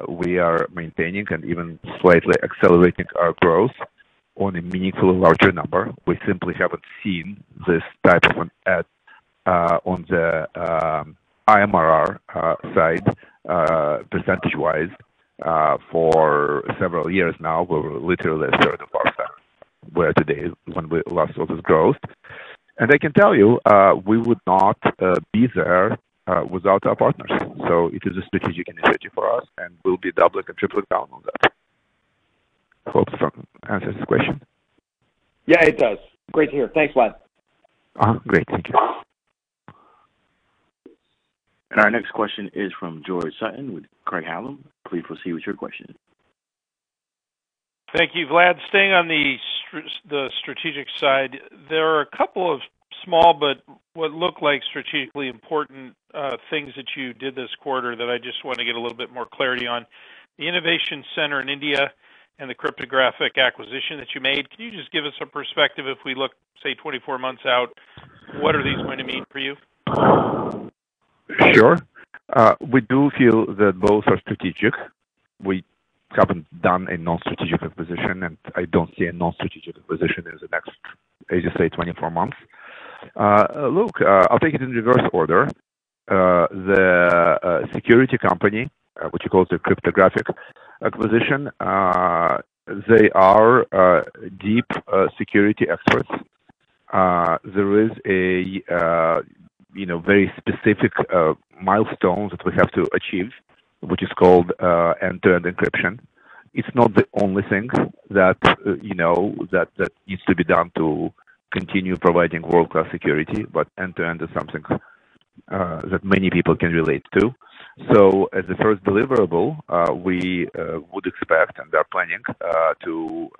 we are maintaining and even slightly accelerating our growth on a meaningfully larger number. We simply haven't seen this type of an add on the ARR side percentage-wise for several years now. We were literally a third of our size where today when we last saw this growth. I can tell you, we would not be there without our partners. It is a strategic initiative for us, and we'll be doubling and tripling down on that. Hope that answers the question. Yeah, it does. Great to hear. Thanks, Vlad. Uh-huh. Great. Thank you. Our next question is from George Sutton with Craig-Hallum. Please proceed with your question. Thank you, Vlad. Staying on the strategic side, there are a couple of small but what look like strategically important things that you did this quarter that I just want to get a little bit more clarity on. The innovation center in India and the cryptographic acquisition that you made, can you just give us a perspective if we look, say, 24 months out, what are these going to mean for you? Sure. We do feel that both are strategic. We haven't done a non-strategic acquisition, and I don't see a non-strategic acquisition in the next, I just say 24 months. Look, I'll take it in reverse order. The security company, which you call the cryptographic acquisition, they are deep security experts. There is a very specific milestone that we have to achieve, which is called end-to-end encryption. It's not the only thing that needs to be done to continue providing world-class security, but end-to-end is something that many people can relate to. As the first deliverable, we would expect and are planning to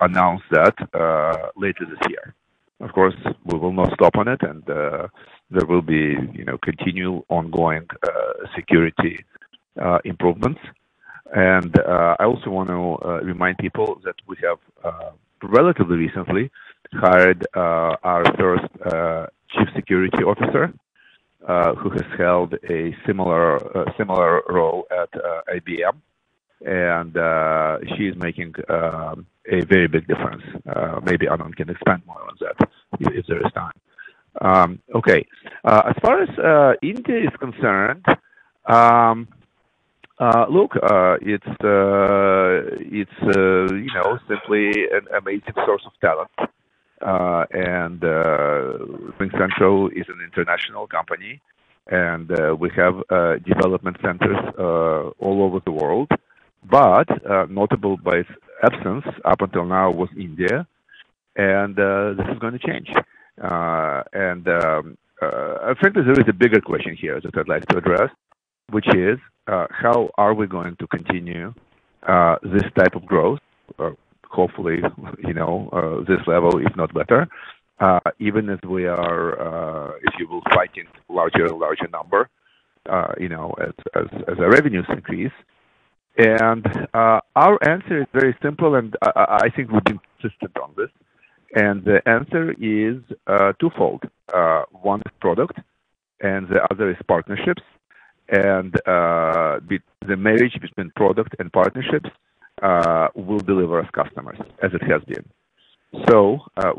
announce that later this year. Of course, we will not stop on it, and there will be continual ongoing security improvements. I also want to remind people that we have relatively recently hired our first Chief Security Officer, who has held a similar role at IBM, and she is making a very big difference. Maybe Anand can expand more on that if there is time. As far as India is concerned, look, it's simply an amazing source of talent. RingCentral is an international company, and we have development centers all over the world, but notable by its absence up until now was India, and this is going to change. I think that there is a bigger question here that I'd like to address, which is, how are we going to continue this type of growth? Hopefully, this level, if not better, even as we are, if you will, fighting larger and larger number as our revenues increase. Our answer is very simple, and I think we've been consistent on this. The answer is twofold. One is product, and the other is partnerships. The marriage between product and partnerships will deliver us customers as it has been.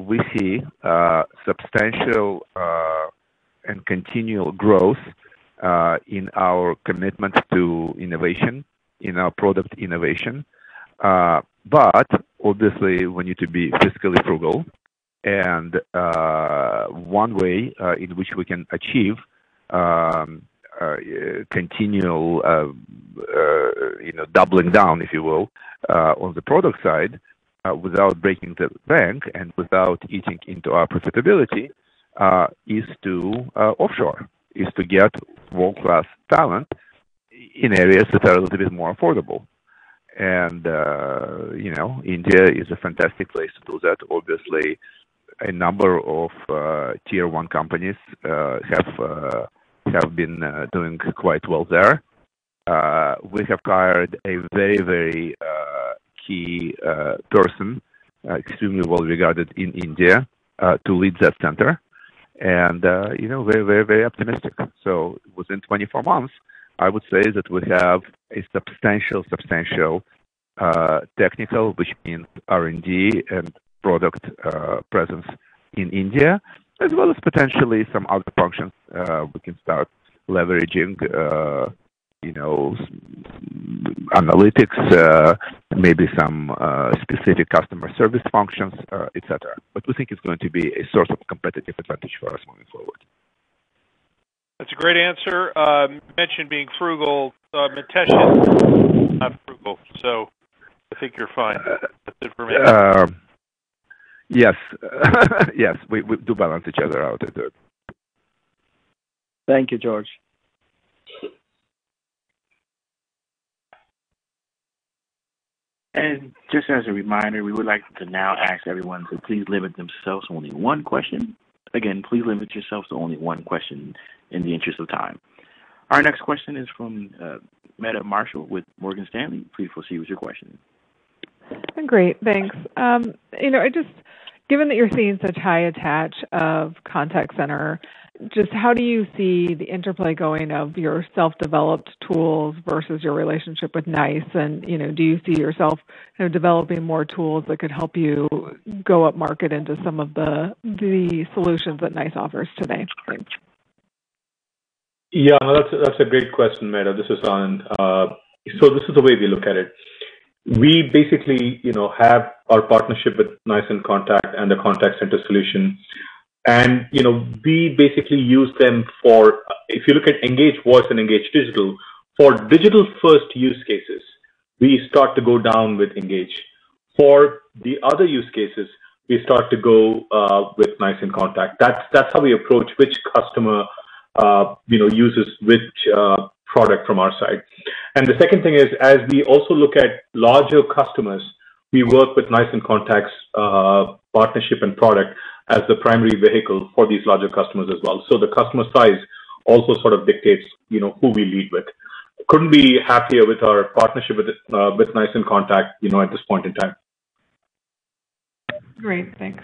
We see substantial and continual growth in our commitment to innovation, in our product innovation. Obviously, we need to be fiscally frugal, and one way in which we can achieve continual doubling down, if you will, on the product side without breaking the bank and without eating into our profitability is to offshore, is to get world-class talent in areas that are a little bit more affordable. India is a fantastic place to do that. Obviously, a number of tier one companies have been doing quite well there. We have hired a very key person, extremely well regarded in India, to lead that center. We're very optimistic. Within 24 months, I would say that we have a substantial technical, which means R&D and product presence in India, as well as potentially some other functions we can start leveraging, analytics, maybe some specific customer service functions, et cetera. We think it's going to be a sort of competitive advantage for us moving forward. That's a great answer. You mentioned being frugal. Mitesh is not frugal, I think you're fine with that information. Yes. Yes, we do balance each other out. Thank you, George. Just as a reminder, we would like to now ask everyone to please limit themselves to only one question. Again, please limit yourselves to only one question in the interest of time. Our next question is from Meta Marshall with Morgan Stanley. Please proceed with your question. Great, thanks. Given that you're seeing such high attach of contact center, just how do you see the interplay going of your self-developed tools versus your relationship with NICE? Do you see yourself developing more tools that could help you go up market into some of the solutions that NICE offers today? That's a great question, Meta. This is Anand. This is the way we look at it. We basically have our partnership with NICE inContact and the contact center solution. We basically use them for, if you look at Engage Voice and Engage Digital, for digital first use cases, we start to go down with Engage. For the other use cases, we start to go with NICE inContact. That's how we approach which customer uses which product from our side. The second thing is, as we also look at larger customers, we work with NICE inContact's partnership and product as the primary vehicle for these larger customers as well. The customer size also sort of dictates who we lead with. Couldn't be happier with our partnership with NICE inContact at this point in time. Great, thanks.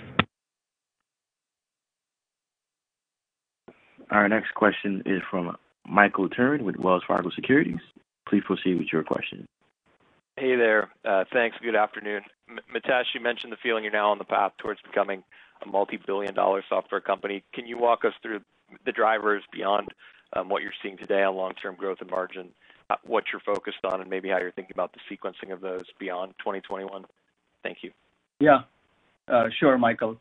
Our next question is from Michael Turrin with Wells Fargo Securities. Please proceed with your question. Hey there. Thanks, good afternoon. Mitesh, you mentioned the feeling you're now on the path towards becoming a multi-billion dollar software company. Can you walk us through the drivers beyond what you're seeing today on long-term growth and margin, what you're focused on, and maybe how you're thinking about the sequencing of those beyond 2021? Thank you. Sure, Michael.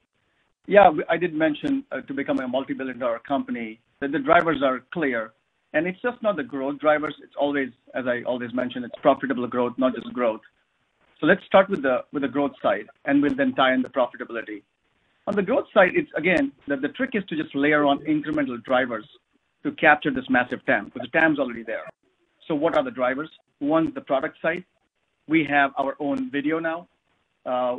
I did mention to become a multi-billion dollar company, that the drivers are clear, and it's just not the growth drivers. It's always, as I always mention, it's profitable growth, not just growth. Let's start with the growth side, and we'll then tie in the profitability. On the growth side, it's again, that the trick is to just layer on incremental drivers to capture this massive TAM, because the TAM's already there. What are the drivers? One is the product side. We have our own video now,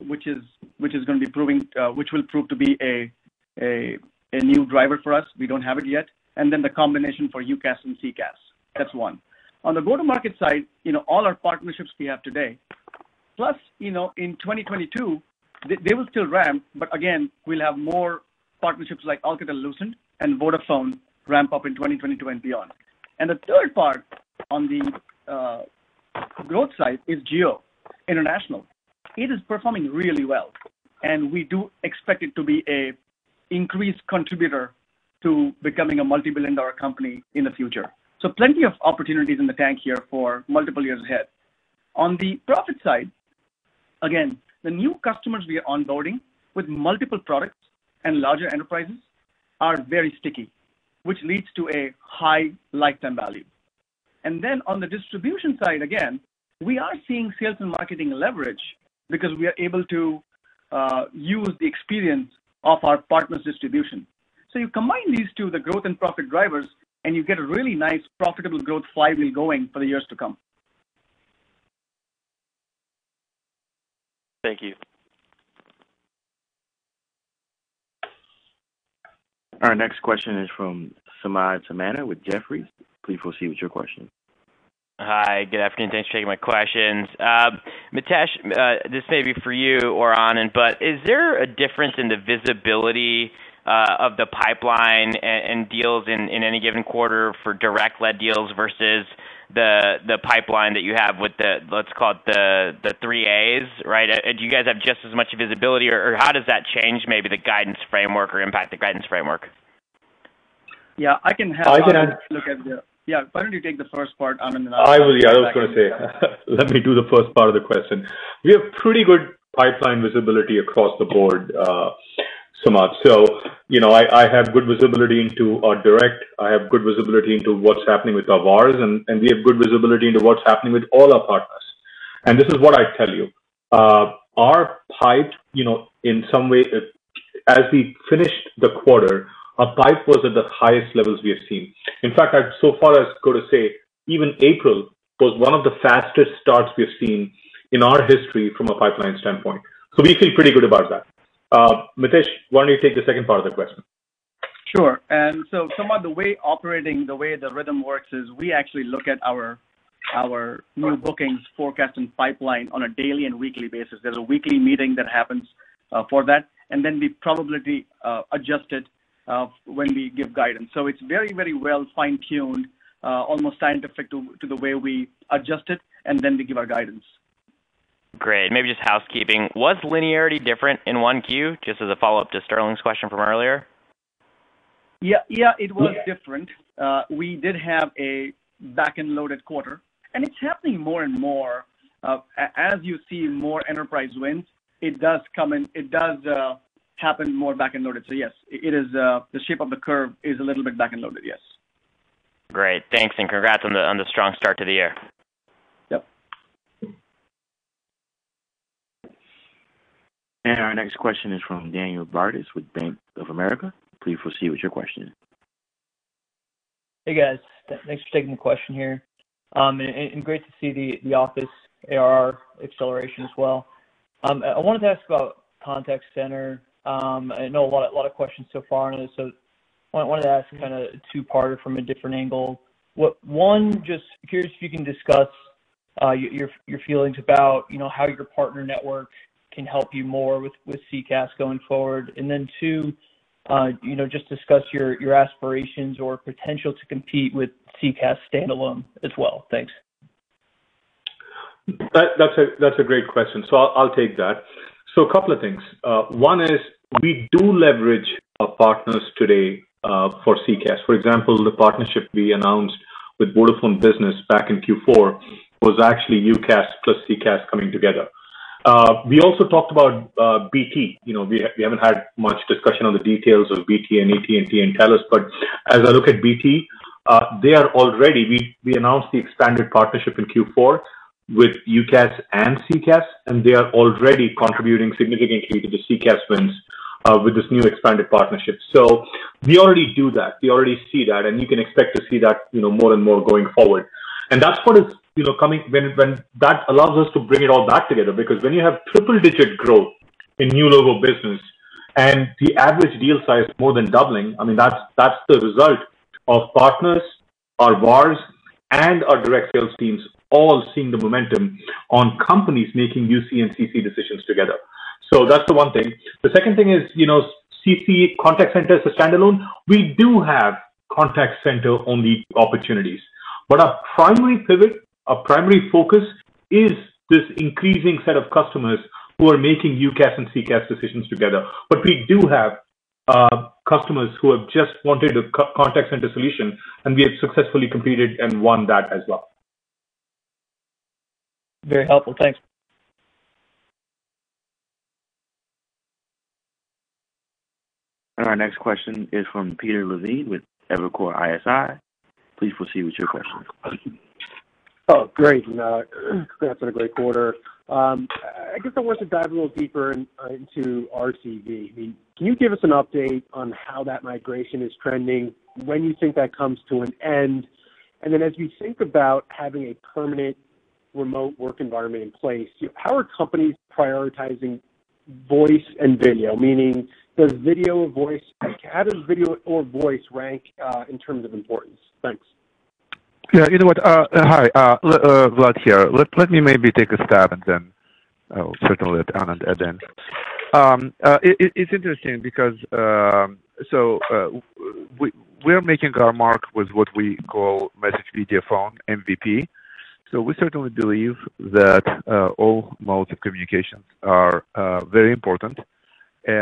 which will prove to be a new driver for us. We don't have it yet. The combination for UCaaS and CCaaS. That's one. On the go-to-market side, all our partnerships we have today. In 2022, they will still ramp, but again, we'll have more partnerships like Alcatel-Lucent and Vodafone ramp up in 2022 and beyond. The third part on the growth side is geo, international. It is performing really well, and we do expect it to be an increased contributor to becoming a multi-billion dollar company in the future. Plenty of opportunities in the tank here for multiple years ahead. On the profit side, again, the new customers we are onboarding with multiple products and larger enterprises are very sticky, which leads to a high lifetime value. On the distribution side, again, we are seeing sales and marketing leverage because we are able to use the experience of our partners' distribution. You combine these two, the growth and profit drivers, and you get a really nice profitable growth flywheel going for the years to come. Thank you. Our next question is from Samad Samana with Jefferies. Please proceed with your question. Hi, good afternoon. Thanks for taking my questions. Mitesh, this may be for you or Anand. Is there a difference in the visibility of the pipeline and deals in any given quarter for direct-led deals versus the pipeline that you have with the, let's call it the three As, right? Do you guys have just as much visibility, or how does that change maybe the guidance framework or impact the guidance framework? Yeah, I can have Anand look at. I can- Yeah, why don't you take the first part, Anand, and then I'll come back in. I was going to say, let me do the first part of the question. We have pretty good pipeline visibility across the board, Samad Samana. I have good visibility into our direct, I have good visibility into what's happening with our VARs, and we have good visibility into what's happening with all our partners. This is what I tell you. Our pipe, in some way, as we finished the quarter, our pipe was at the highest levels we have seen. In fact, I'd so far as go to say, even April was one of the fastest starts we've seen in our history from a pipeline standpoint. We feel pretty good about that. Mitesh, why don't you take the second part of the question? Sure. Samad Samana, the way the rhythm works is we actually look at our new bookings forecast and pipeline on a daily and weekly basis. There's a weekly meeting that happens for that. We probably adjust it when we give guidance. It's very well fine-tuned, almost scientific to the way we adjust it. We give our guidance. Great. Maybe just housekeeping. Was linearity different in 1Q? Just as a follow-up to Sterling's question from earlier. Yeah. It was different. We did have a back-end loaded quarter, and it's happening more and more. As you see more enterprise wins, it does happen more back-end loaded. Yes, the shape of the curve is a little bit back-end loaded. Yes. Great. Thanks, and congrats on the strong start to the year. Yep. Our next question is from Daniel Bartus with Bank of America. Please proceed with your question. Hey, guys. Thanks for taking the question here. Great to see the Office ARR acceleration as well. I wanted to ask about Contact Center. I know a lot of questions so far, I wanted to ask a two-parter from a different angle. One, just curious if you can discuss your feelings about how your partner network can help you more with CCaaS going forward. Two, just discuss your aspirations or potential to compete with CCaaS standalone as well. Thanks. That's a great question. I'll take that. A couple of things. One is we do leverage our partners today for CCaaS. For example, the partnership we announced with Vodafone Business back in Q4 was actually UCaaS plus CCaaS coming together. We also talked about BT. We haven't had much discussion on the details of BT and AT&T and Telus, as I look at BT, they are already we announced the expanded partnership in Q4 with UCaaS and CCaaS, and they are already contributing significantly to the CCaaS wins with this new expanded partnership. We already do that. We already see that, and you can expect to see that more and more going forward. That's what is coming when that allows us to bring it all back together. When you have triple-digit growth in new logo business and the average deal size more than doubling, I mean, that's the result of partners, our VARs, and our direct sales teams all seeing the momentum on companies making UC and CC decisions together. That's the one thing. The second thing is, CC, contact center as a standalone, we do have contact center-only opportunities, but our primary pivot, our primary focus is this increasing set of customers who are making UCaaS and CCaaS decisions together. We do have customers who have just wanted a contact center solution, and we have successfully competed and won that as well. Very helpful. Thanks. Our next question is from Peter Levine with Evercore ISI. Please proceed with your question. Oh, great. Congrats on a great quarter. I guess I wanted to dive a little deeper into RCV. Can you give us an update on how that migration is trending, when you think that comes to an end? As we think about having a permanent remote work environment in place, how are companies prioritizing voice and video? Meaning, how does video or voice rank in terms of importance? Thanks. You know what? Hi. Vlad here. Let me maybe take a stab, I'll circle it, Anand at the end. It's interesting because, we are making our mark with what we call message, video, phone, MVP. We certainly believe that all modes of communications are very important. We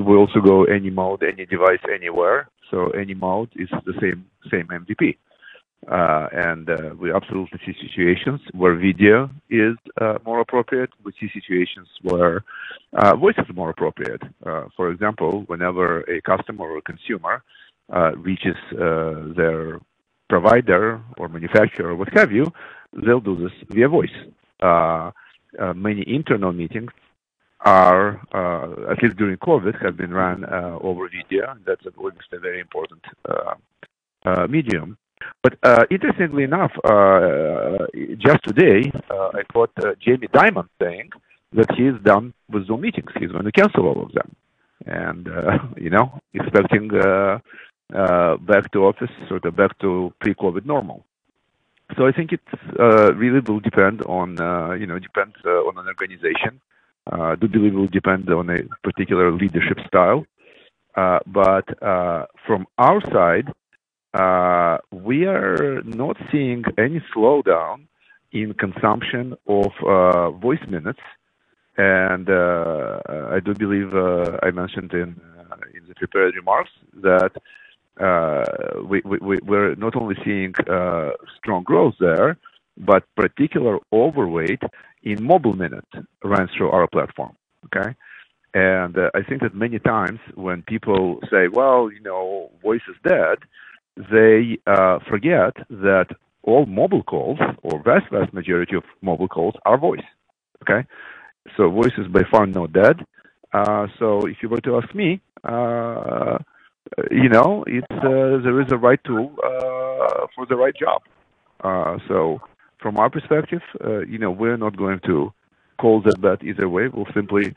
also go any mode, any device, anywhere. Any mode is the same MVP. We absolutely see situations where video is more appropriate. We see situations where voice is more appropriate. For example, whenever a customer or consumer reaches their provider or manufacturer or what have you, they'll do this via voice. Many internal meetings are, at least during COVID, have been run over video. That's obviously a very important medium. Interestingly enough, just today, I caught Jamie Dimon saying that he's done with Zoom meetings. He's going to cancel all of them. Expecting back to office, sort of back to pre-COVID normal. I think it really will depend on an organization. I do believe it will depend on a particular leadership style. From our side, we are not seeing any slowdown in consumption of voice minutes. I do believe I mentioned in the prepared remarks that we're not only seeing strong growth there, but particular overweight in mobile minute runs through our platform. Okay? I think that many times when people say, "Well, voice is dead," they forget that all mobile calls or vast majority of mobile calls are voice. Okay? Voice is by far not dead. If you were to ask me, there is a right tool for the right job. From our perspective, we're not going to call that either way. We'll simply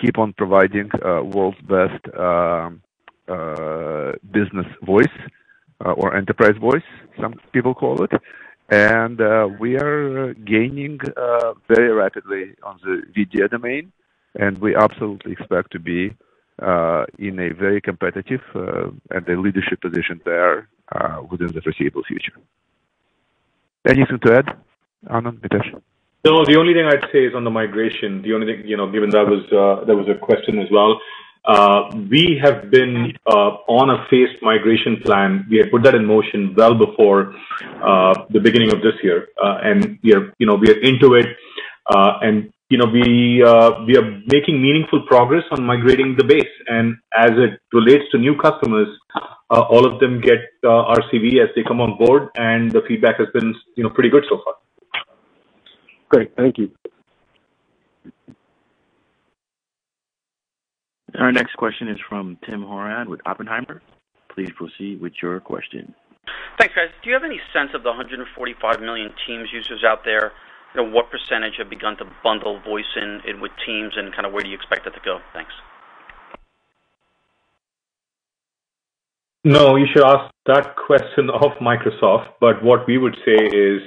keep on providing world's best business voice or enterprise voice, some people call it. We are gaining very rapidly on the video domain, and we absolutely expect to be in a very competitive at the leadership position there within the foreseeable future. Anything to add, Anand, Mitesh Dhruv? No, the only thing I'd say is on the migration, the only thing, given that was a question as well. We have been on a phased migration plan. We had put that in motion well before the beginning of this year. We are into it, and we are making meaningful progress on migrating the base. As it relates to new customers, all of them get RCV as they come on board, and the feedback has been pretty good so far. Great. Thank you. Our next question is from Tim Horan with Oppenheimer. Please proceed with your question. Thanks, guys. Do you have any sense of the 145 million Teams users out there? What % have begun to bundle voice in with Teams and kind of where do you expect it to go? Thanks. No, you should ask that question of Microsoft, but what we would say is,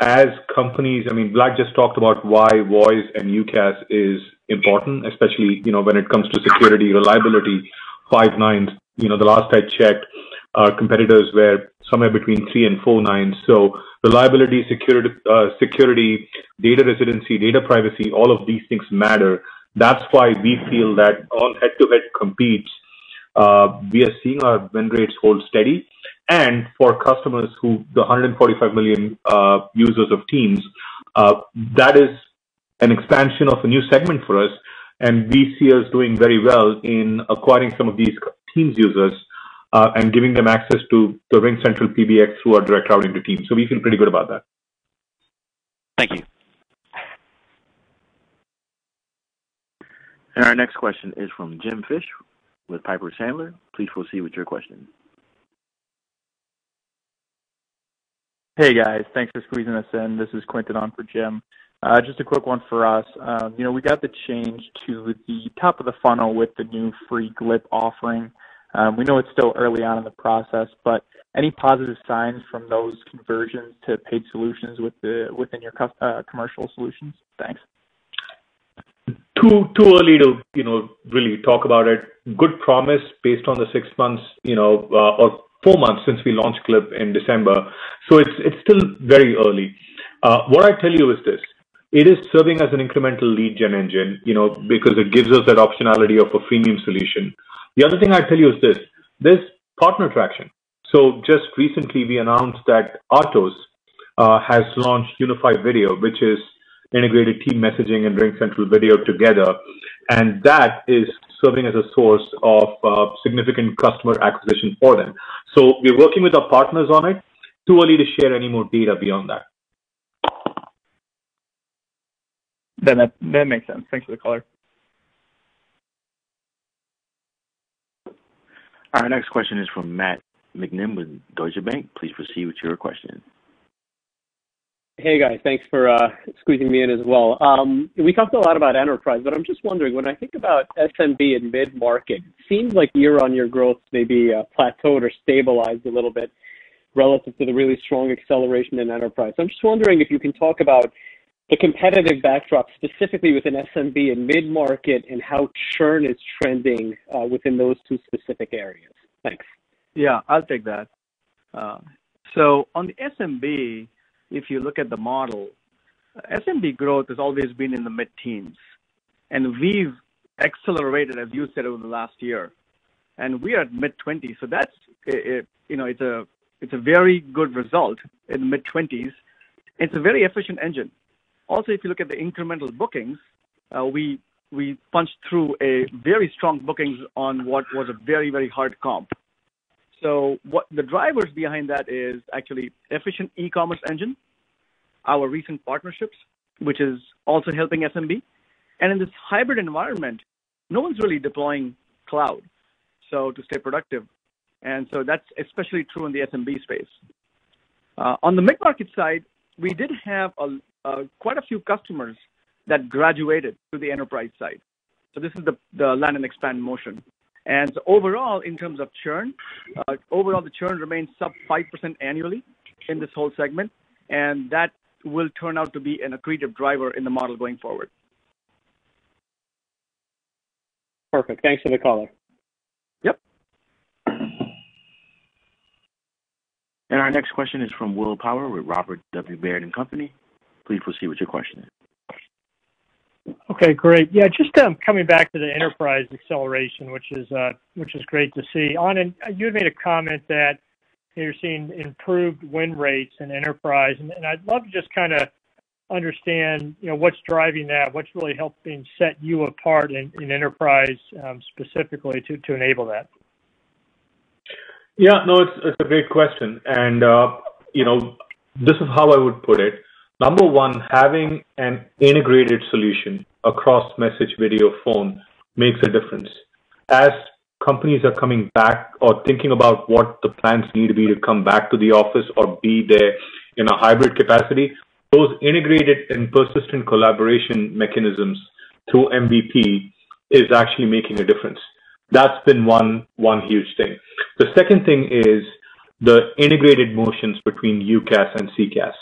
as companies, Vlad just talked about why voice and UCaaS is important, especially when it comes to security, reliability, five nines. The last I checked, our competitors were somewhere between three and four nines. Reliability, security, data residency, data privacy, all of these things matter. That's why we feel that on head-to-head competes, we are seeing our win rates hold steady. For customers who, the 145 million users of Teams, that is an expansion of a new segment for us, and we see us doing very well in acquiring some of these Teams users and giving them access to the RingCentral PBX through our direct routing to Teams. We feel pretty good about that. Thank you. Our next question is from Jim Fish with Piper Sandler. Please proceed with your question. Hey, guys. Thanks for squeezing us in. This is Quinton on for Jim. Just a quick one for us. We got the change to the top of the funnel with the new free Glip offering. We know it's still early on in the process, but any positive signs from those conversions to paid solutions within your commercial solutions? Thanks. Too early to really talk about it. Good promise based on the six months or four months since we launched RingCentral Glip in December. It's still very early. What I tell you is this, it is serving as an incremental lead gen engine because it gives us that optionality of a freemium solution. The other thing I'd tell you is this, there's partner traction. Just recently we announced that Atos has launched Unify Video by RingCentral, which has integrated team messaging and RingCentral Video together, and that is serving as a source of significant customer acquisition for them. We're working with our partners on it. Too early to share any more data beyond that. That makes sense. Thanks for the color. Our next question is from Matt McNabb with Deutsche Bank. Please proceed with your question. Hey, guys. Thanks for squeezing me in as well. I'm just wondering, when I think about SMB and mid-market, seems like year-over-year growth maybe plateaued or stabilized a little bit relative to the really strong acceleration in enterprise. I'm just wondering if you can talk about the competitive backdrop, specifically within SMB and mid-market, and how churn is trending within those two specific areas. Thanks. Yeah, I'll take that. On the SMB, if you look at the model, SMB growth has always been in the mid-teens. We've accelerated, as you said, over the last year. We are at mid-20s, so it's a very good result in the mid-20s. It's a very efficient engine. If you look at the incremental bookings, we punched through a very strong bookings on what was a very hard comp. What the drivers behind that is actually efficient e-commerce engine, our recent partnerships, which is also helping SMB. In this hybrid environment, no one's really deploying cloud to stay productive. That's especially true in the SMB space. On the mid-market side, we did have quite a few customers that graduated to the enterprise side. This is the land and expand motion. Overall, in terms of churn, overall the churn remains sub 5% annually in this whole segment, and that will turn out to be an accretive driver in the model going forward. Perfect. Thanks for the color. Yep. Our next question is from Will Power with Robert W. Baird & Company. Please proceed with your question. Okay, great. Yeah, just coming back to the enterprise acceleration, which is great to see. Anand, you had made a comment that you're seeing improved win rates in enterprise, and I'd love to just understand what's driving that, what's really helping set you apart in enterprise, specifically to enable that. Yeah, no, it's a great question. This is how I would put it. Number one, having an integrated solution across message, video, phone makes a difference. As companies are coming back or thinking about what the plans need to be to come back to the office or be there in a hybrid capacity, those integrated and persistent collaboration mechanisms through MVP is actually making a difference. That's been one huge thing. The second thing is the integrated motions between UCaaS and CCaaS.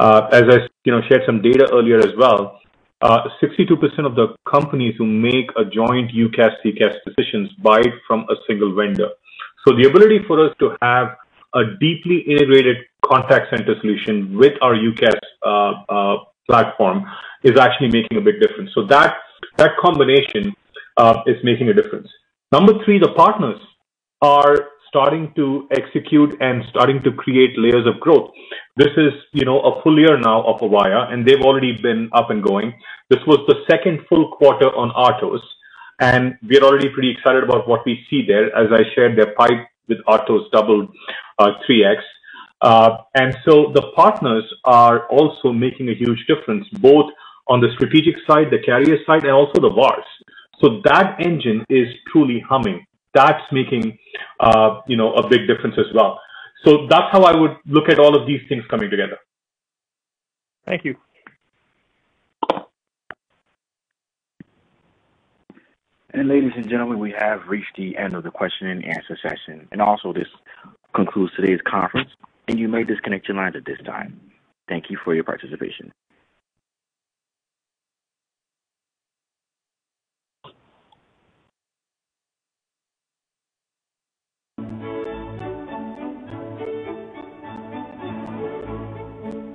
As I shared some data earlier as well, 62% of the companies who make a joint UCaaS/CCaaS decisions buy from a single vendor. The ability for us to have a deeply integrated contact center solution with our UCaaS platform is actually making a big difference. That combination is making a difference. Number three, the partners are starting to execute and starting to create layers of growth. This is a full year now of Avaya, and they've already been up and going. This was the second full quarter on Atos, and we're already pretty excited about what we see there. As I shared, their pipe with Atos doubled 3X. The partners are also making a huge difference, both on the strategic side, the carrier side, and also the VARs. That engine is truly humming. That's making a big difference as well. That's how I would look at all of these things coming together. Thank you. Ladies and gentlemen, we have reached the end of the Q&A session. Also, this concludes today's conference, and you may disconnect your lines at this time. Thank you for your participation.